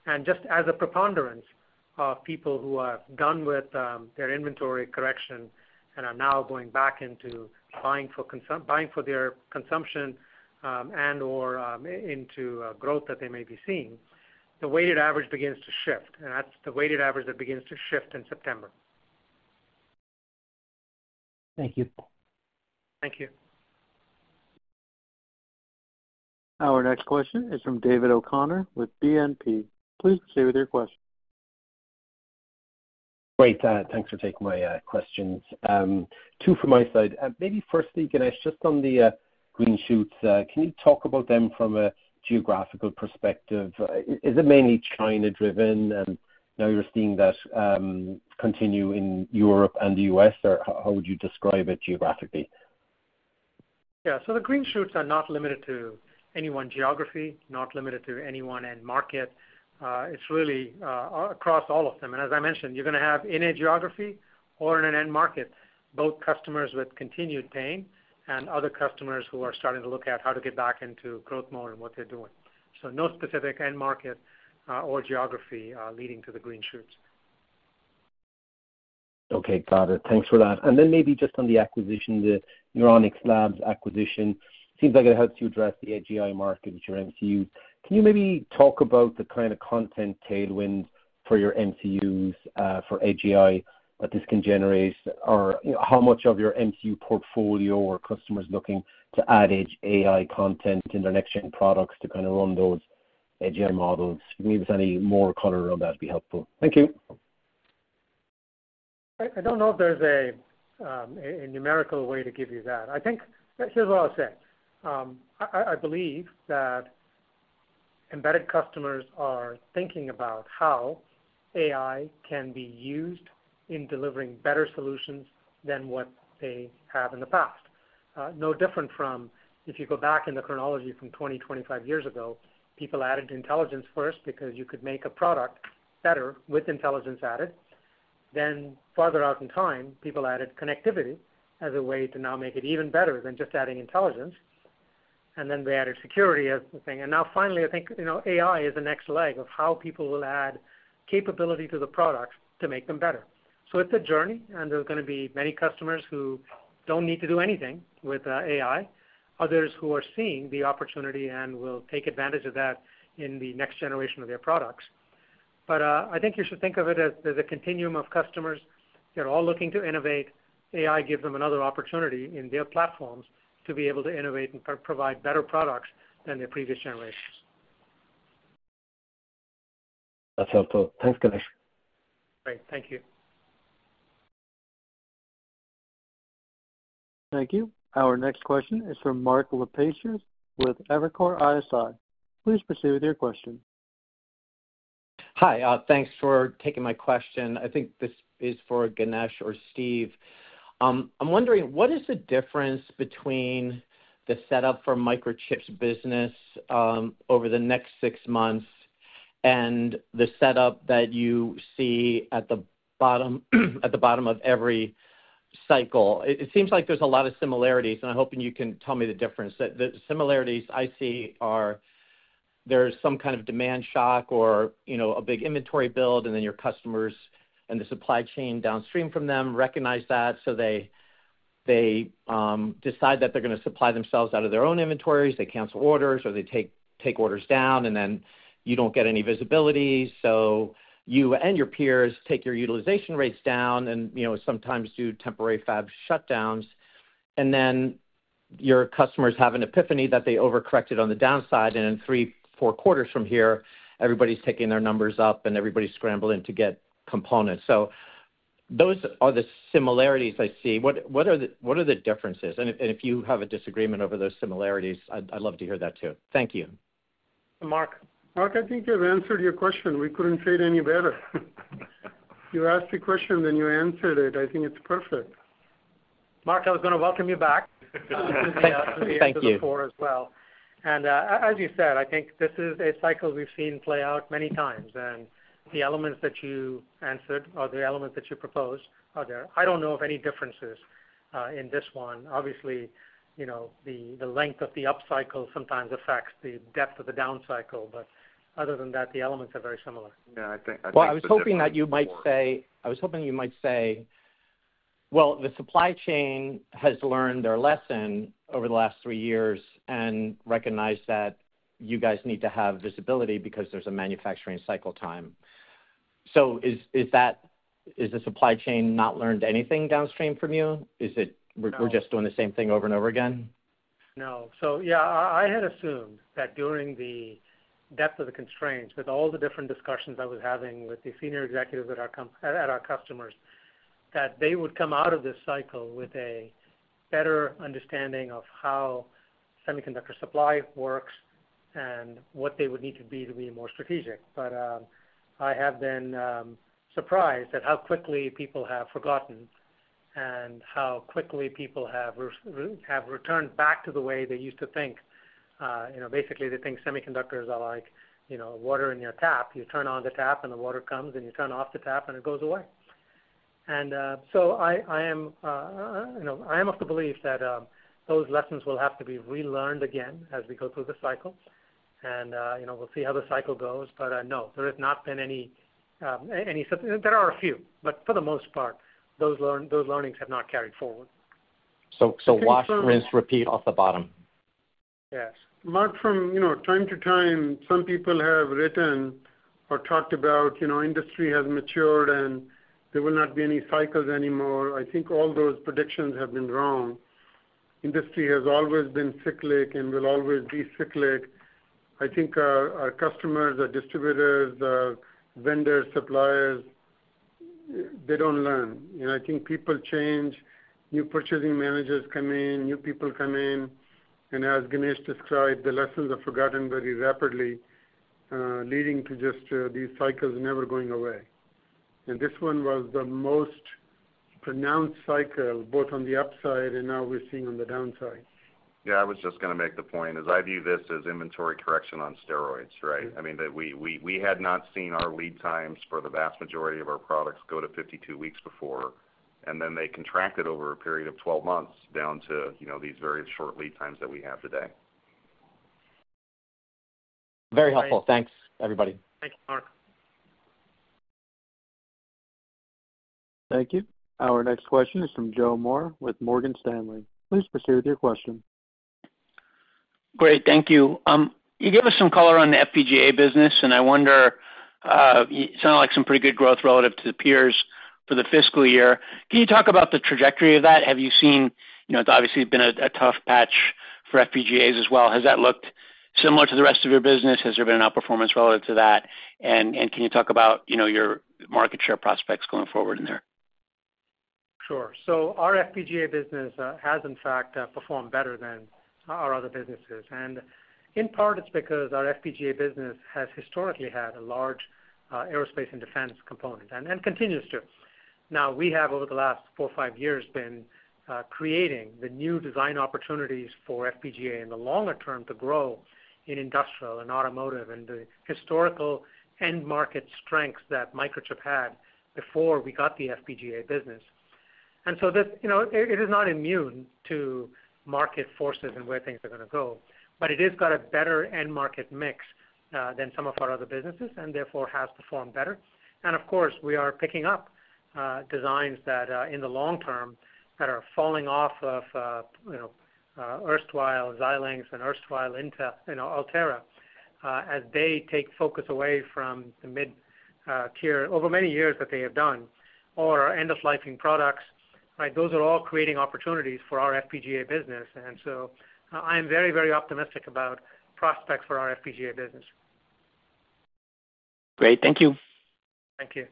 And just as a preponderance of people who are done with their inventory correction and are now going back into buying for their consumption, and/or into growth that they may be seeing, the weighted average begins to shift, and that's the weighted average that begins to shift in September. Thank you. Thank you. Our next question is from David O'Connor with BNP. Please proceed with your question. Great, thanks for taking my questions. Two from my side. Maybe firstly, Ganesh, just on the green shoots, can you talk about them from a geographical perspective? Is it mainly China driven, and now you're seeing that continue in Europe and the U.S. or how would you describe it geographically? Yeah, so the green shoots are not limited to any one geography, not limited to any one end market. It's really across all of them. And as I mentioned, you're gonna have in a geography or in an end market, both customers with continued pain and other customers who are starting to look at how to get back into growth mode and what they're doing. So no specific end market or geography leading to the green shoots. Okay, got it. Thanks for that. And then maybe just on the acquisition, the Neuronix AI Labs acquisition, seems like it helps you address the Edge AI market with your MCUs. Can you maybe talk about the kind of content tailwind for your MCUs for Edge AI that this can generate? Or, you know, how much of your MCU portfolio or customers looking to add Edge AI content in their next-gen products to kind of run those Edge AI models? Maybe if there's any more color around that, it'd be helpful. Thank you. I don't know if there's a numerical way to give you that. I think, here's what I'll say. I believe that embedded customers are thinking about how AI can be used in delivering better solutions than what they have in the past. No different from if you go back in the chronology from 25 years ago, people added intelligence first, because you could make a product better with intelligence added. Then farther out in time, people added connectivity as a way to now make it even better than just adding intelligence. And then they added security as the thing. And now finally, I think, you know, AI is the next leg of how people will add capability to the products to make them better. So it's a journey, and there's gonna be many customers who don't need to do anything with AI, others who are seeing the opportunity and will take advantage of that in the next generation of their products. But I think you should think of it as a continuum of customers. They're all looking to innovate. AI gives them another opportunity in their platforms to be able to innovate and provide better products than the previous generations. That's helpful. Thanks, Ganesh. Great. Thank you. Thank you. Our next question is from Mark Lipacis with Evercore ISI. Please proceed with your question. Hi, thanks for taking my question. I think this is for Ganesh or Steve. I'm wondering, what is the difference between the setup for Microchip's business over the next six months and the setup that you see at the bottom of every cycle? It seems like there's a lot of similarities, and I'm hoping you can tell me the difference. The similarities I see are, there's some kind of demand shock or, you know, a big inventory build, and then your customers and the supply chain downstream from them recognize that, so they decide that they're gonna supply themselves out of their own inventories, they cancel orders, or they take orders down, and then you don't get any visibility. So you and your peers take your utilization rates down and, you know, sometimes do temporary fab shutdowns. And then your customers have an epiphany that they overcorrected on the downside, and in three, four quarters from here, everybody's ticking their numbers up, and everybody's scrambling to get components. So those are the similarities I see. What, what are the, what are the differences? And if, and if you have a disagreement over those similarities, I'd, I'd love to hear that, too. Thank you. Mark- Mark, I think you've answered your question. We couldn't say it any better. You asked the question, then you answered it. I think it's perfect. Mark, I was gonna welcome you back. Thank you. To the floor as well. And as you said, I think this is a cycle we've seen play out many times, and the elements that you answered or the elements that you proposed are there. I don't know of any differences in this one. Obviously, you know, the length of the upcycle sometimes affects the depth of the downcycle, but other than that, the elements are very similar. Yeah, I think- Well, I was hoping that you might say, I was hoping you might say, "Well, the supply chain has learned their lesson over the last three years and recognized that you guys need to have visibility because there's a manufacturing cycle time." So is, is that, has the supply chain not learned anything downstream from you? Is it- No. We're just doing the same thing over and over again? No. So yeah, I had assumed that during the depth of the constraints, with all the different discussions I was having with the senior executives at our customers, that they would come out of this cycle with a better understanding of how semiconductor supply works and what they would need to be to be more strategic. But I have been surprised at how quickly people have forgotten and how quickly people have returned back to the way they used to think. You know, basically, they think semiconductors are like water in your tap. You turn on the tap, and the water comes, and you turn off the tap, and it goes away. I am of the belief that those lessons will have to be relearned again as we go through the cycle. You know, we'll see how the cycle goes. But no, there has not been any. There are a few, but for the most part, those learnings have not carried forward. So, so wash, rinse, repeat off the bottom? Yes. Mark, from time to time, you know, some people have written or talked about, you know, industry has matured and there will not be any cycles anymore. I think all those predictions have been wrong. Industry has always been cyclic and will always be cyclic. I think our customers, our distributors, our vendors, suppliers, they don't learn. You know, I think people change, new purchasing managers come in, new people come in, and as Ganesh described, the lessons are forgotten very rapidly, leading to just these cycles never going away. This one was the most pronounced cycle, both on the upside and now we're seeing on the downside. Yeah, I was just gonna make the point, as I view this as inventory correction on steroids, right? I mean, that we had not seen our lead times for the vast majority of our products go to 52 weeks before, and then they contracted over a period of 12 months down to, you know, these very short lead times that we have today. Very helpful. Thanks, everybody. Thanks, Mark. Thank you. Our next question is from Joe Moore with Morgan Stanley. Please proceed with your question. Great. Thank you. You gave us some color on the FPGA business, and I wonder, it sounded like some pretty good growth relative to the peers for the fiscal year. Can you talk about the trajectory of that? Have you seen, you know, it's obviously been a tough patch for FPGAs as well. Has that looked similar to the rest of your business? Has there been an outperformance relative to that? And can you talk about, you know, your market share prospects going forward in there? Sure. So our FPGA business has in fact performed better than our other businesses. And in part, it's because our FPGA business has historically had a large aerospace and defense component, and continues to. Now, we have, over the last four, five years, been creating the new design opportunities for FPGA in the longer term to grow in industrial and automotive and the historical end market strengths that Microchip had before we got the FPGA business. And so this, you know, it is not immune to market forces and where things are gonna go, but it has got a better end market mix than some of our other businesses, and therefore has performed better. And of course, we are picking up designs that, in the long term, that are falling off of, you know, erstwhile Xilinx and erstwhile Intel, you know, Altera, as they take focus away from the mid-tier over many years that they have done, or end-of-lifing products, right? Those are all creating opportunities for our FPGA business. And so I'm very, very optimistic about prospects for our FPGA business. Great. Thank you. Thank you.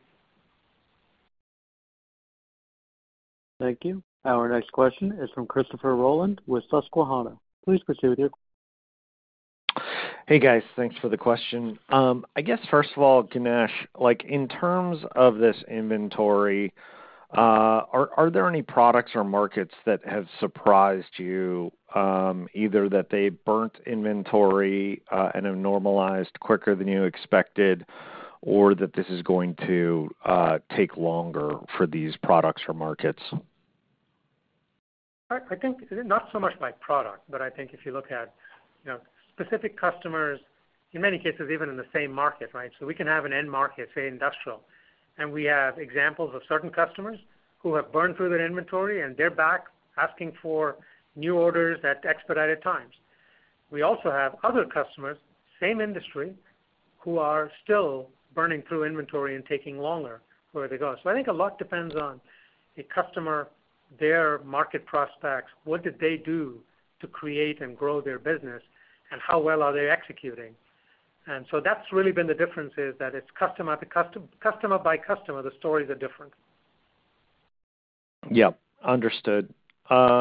Thank you. Our next question is from Christopher Rolland with Susquehanna. Please proceed with your question. Hey, guys. Thanks for the question. I guess, first of all, Ganesh, like, in terms of this inventory, are there any products or markets that have surprised you, either that they burnt inventory and have normalized quicker than you expected, or that this is going to take longer for these products or markets? I think not so much by product, but I think if you look at, you know, specific customers, in many cases, even in the same market, right? So we can have an end market, say, industrial, and we have examples of certain customers who have burned through their inventory, and they're back asking for new orders at expedited times. We also have other customers, same industry, who are still burning through inventory and taking longer where they go. So I think a lot depends on the customer, their market prospects, what did they do to create and grow their business, and how well are they executing? And so that's really been the difference, is that it's customer by customer, the stories are different. Yeah. Understood. And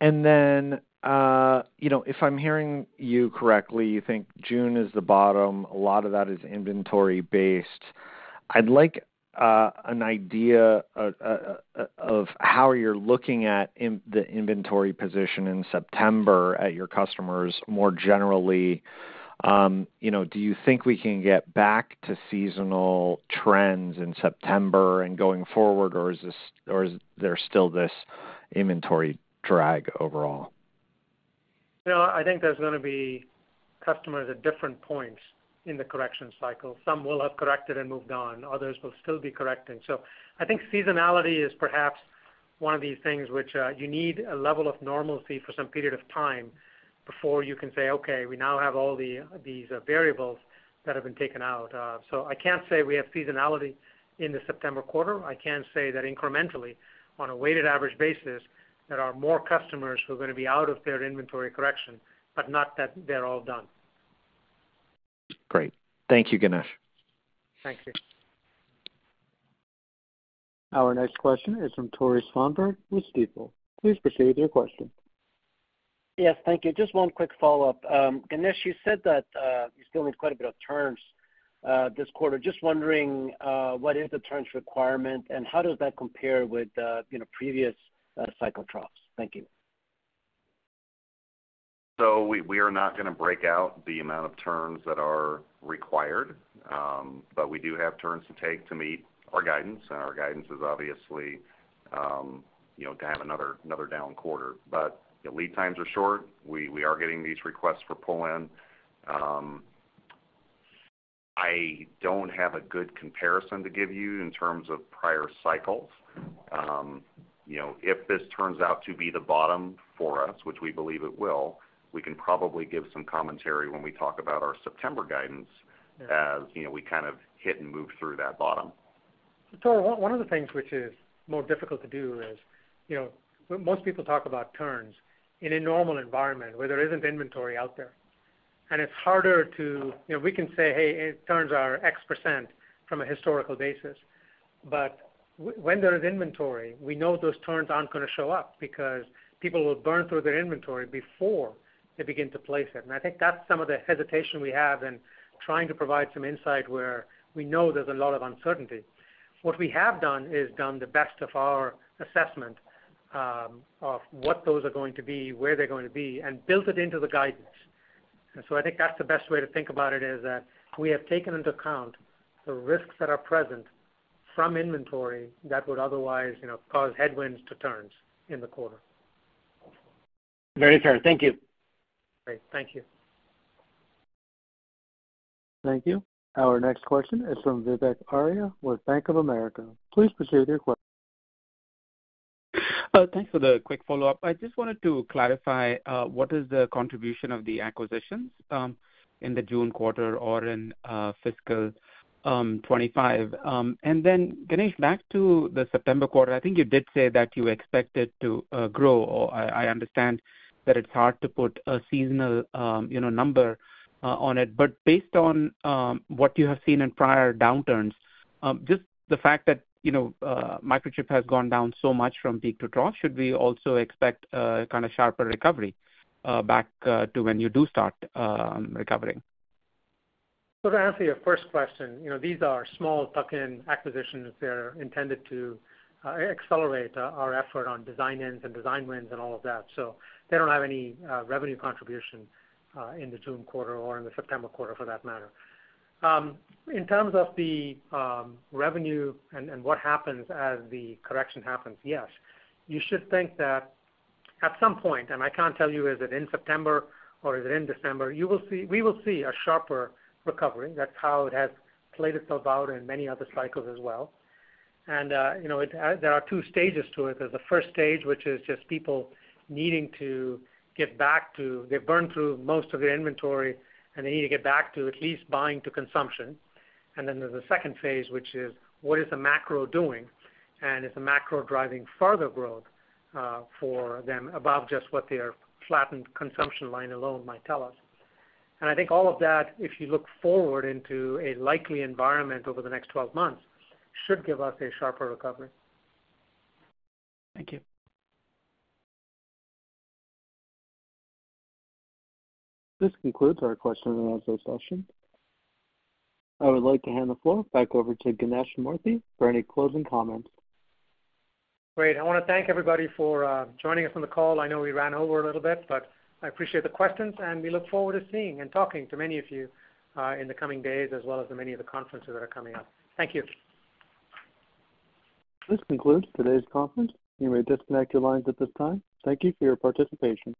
then, you know, if I'm hearing you correctly, you think June is the bottom, a lot of that is inventory based. I'd like an idea of how you're looking at the inventory position in September at your customers more generally. You know, do you think we can get back to seasonal trends in September and going forward, or is this, or is there still this inventory drag overall? You know, I think there's gonna be customers at different points in the correction cycle. Some will have corrected and moved on, others will still be correcting. So I think seasonality is perhaps one of these things which you need a level of normalcy for some period of time before you can say, "Okay, we now have all these variables that have been taken out." So I can't say we have seasonality in the September quarter. I can say that incrementally, on a weighted average basis, there are more customers who are gonna be out of their inventory correction, but not that they're all done. Great. Thank you, Ganesh. Thank you. Our next question is from Tore Svanberg with Stifel. Please proceed with your question. Yes, thank you. Just one quick follow-up. Ganesh, you said that you still need quite a bit of turns this quarter. Just wondering, what is the turns requirement, and how does that compare with you know, previous cycle troughs? Thank you. So we are not going to break out the amount of turns that are required, but we do have turns to take to meet our guidance, and our guidance is obviously, you know, to have another, another down quarter. But the lead times are short. We are getting these requests for pull-in. I don't have a good comparison to give you in terms of prior cycles. You know, if this turns out to be the bottom for us, which we believe it will, we can probably give some commentary when we talk about our September guidance, as you know, we kind of hit and move through that bottom. So one of the things which is more difficult to do is, you know, most people talk about turns in a normal environment where there isn't inventory out there, and it's harder to, you know, we can say, "Hey, turns are x percent from a historical basis." But when there is inventory, we know those turns aren't going to show up because people will burn through their inventory before they begin to place it. And I think that's some of the hesitation we have in trying to provide some insight where we know there's a lot of uncertainty. What we have done is done the best of our assessment of what those are going to be, where they're going to be, and built it into the guidance. And so I think that's the best way to think about it, is that we have taken into account the risks that are present from inventory that would otherwise, you know, cause headwinds to turns in the quarter. Very fair. Thank you. Great. Thank you. Thank you. Our next question is from Vivek Arya with Bank of America. Please proceed with your question. Thanks for the quick follow-up. I just wanted to clarify what is the contribution of the acquisitions in the June quarter or in fiscal 2025? And then, Ganesh, back to the September quarter, I think you did say that you expected to grow, or I understand that it's hard to put a seasonal, you know, number on it. But based on what you have seen in prior downturns, just the fact that, you know, Microchip has gone down so much from peak to trough, should we also expect a kind of sharper recovery back to when you do start recovering? So to answer your first question, you know, these are small tuck-in acquisitions. They're intended to accelerate our effort on design ends and design wins and all of that, so they don't have any revenue contribution in the June quarter or in the September quarter, for that matter. In terms of the revenue and what happens as the correction happens, yes, you should think that at some point, and I can't tell you is it in September or is it in December, you will see—we will see a sharper recovery. That's how it has played itself out in many other cycles as well. And you know, there are two stages to it. There's the first stage, which is just people needing to get back to... They've burned through most of their inventory, and they need to get back to at least buying to consumption. And then there's a second phase, which is: What is the macro doing? And is the macro driving further growth for them above just what their flattened consumption line alone might tell us? And I think all of that, if you look forward into a likely environment over the next twelve months, should give us a sharper recovery. Thank you. This concludes our question and answer session. I would like to hand the floor back over to Ganesh Moorthy for any closing comments. Great. I want to thank everybody for joining us on the call. I know we ran over a little bit, but I appreciate the questions, and we look forward to seeing and talking to many of you in the coming days, as well as many of the conferences that are coming up. Thank you. This concludes today's conference. You may disconnect your lines at this time. Thank you for your participation.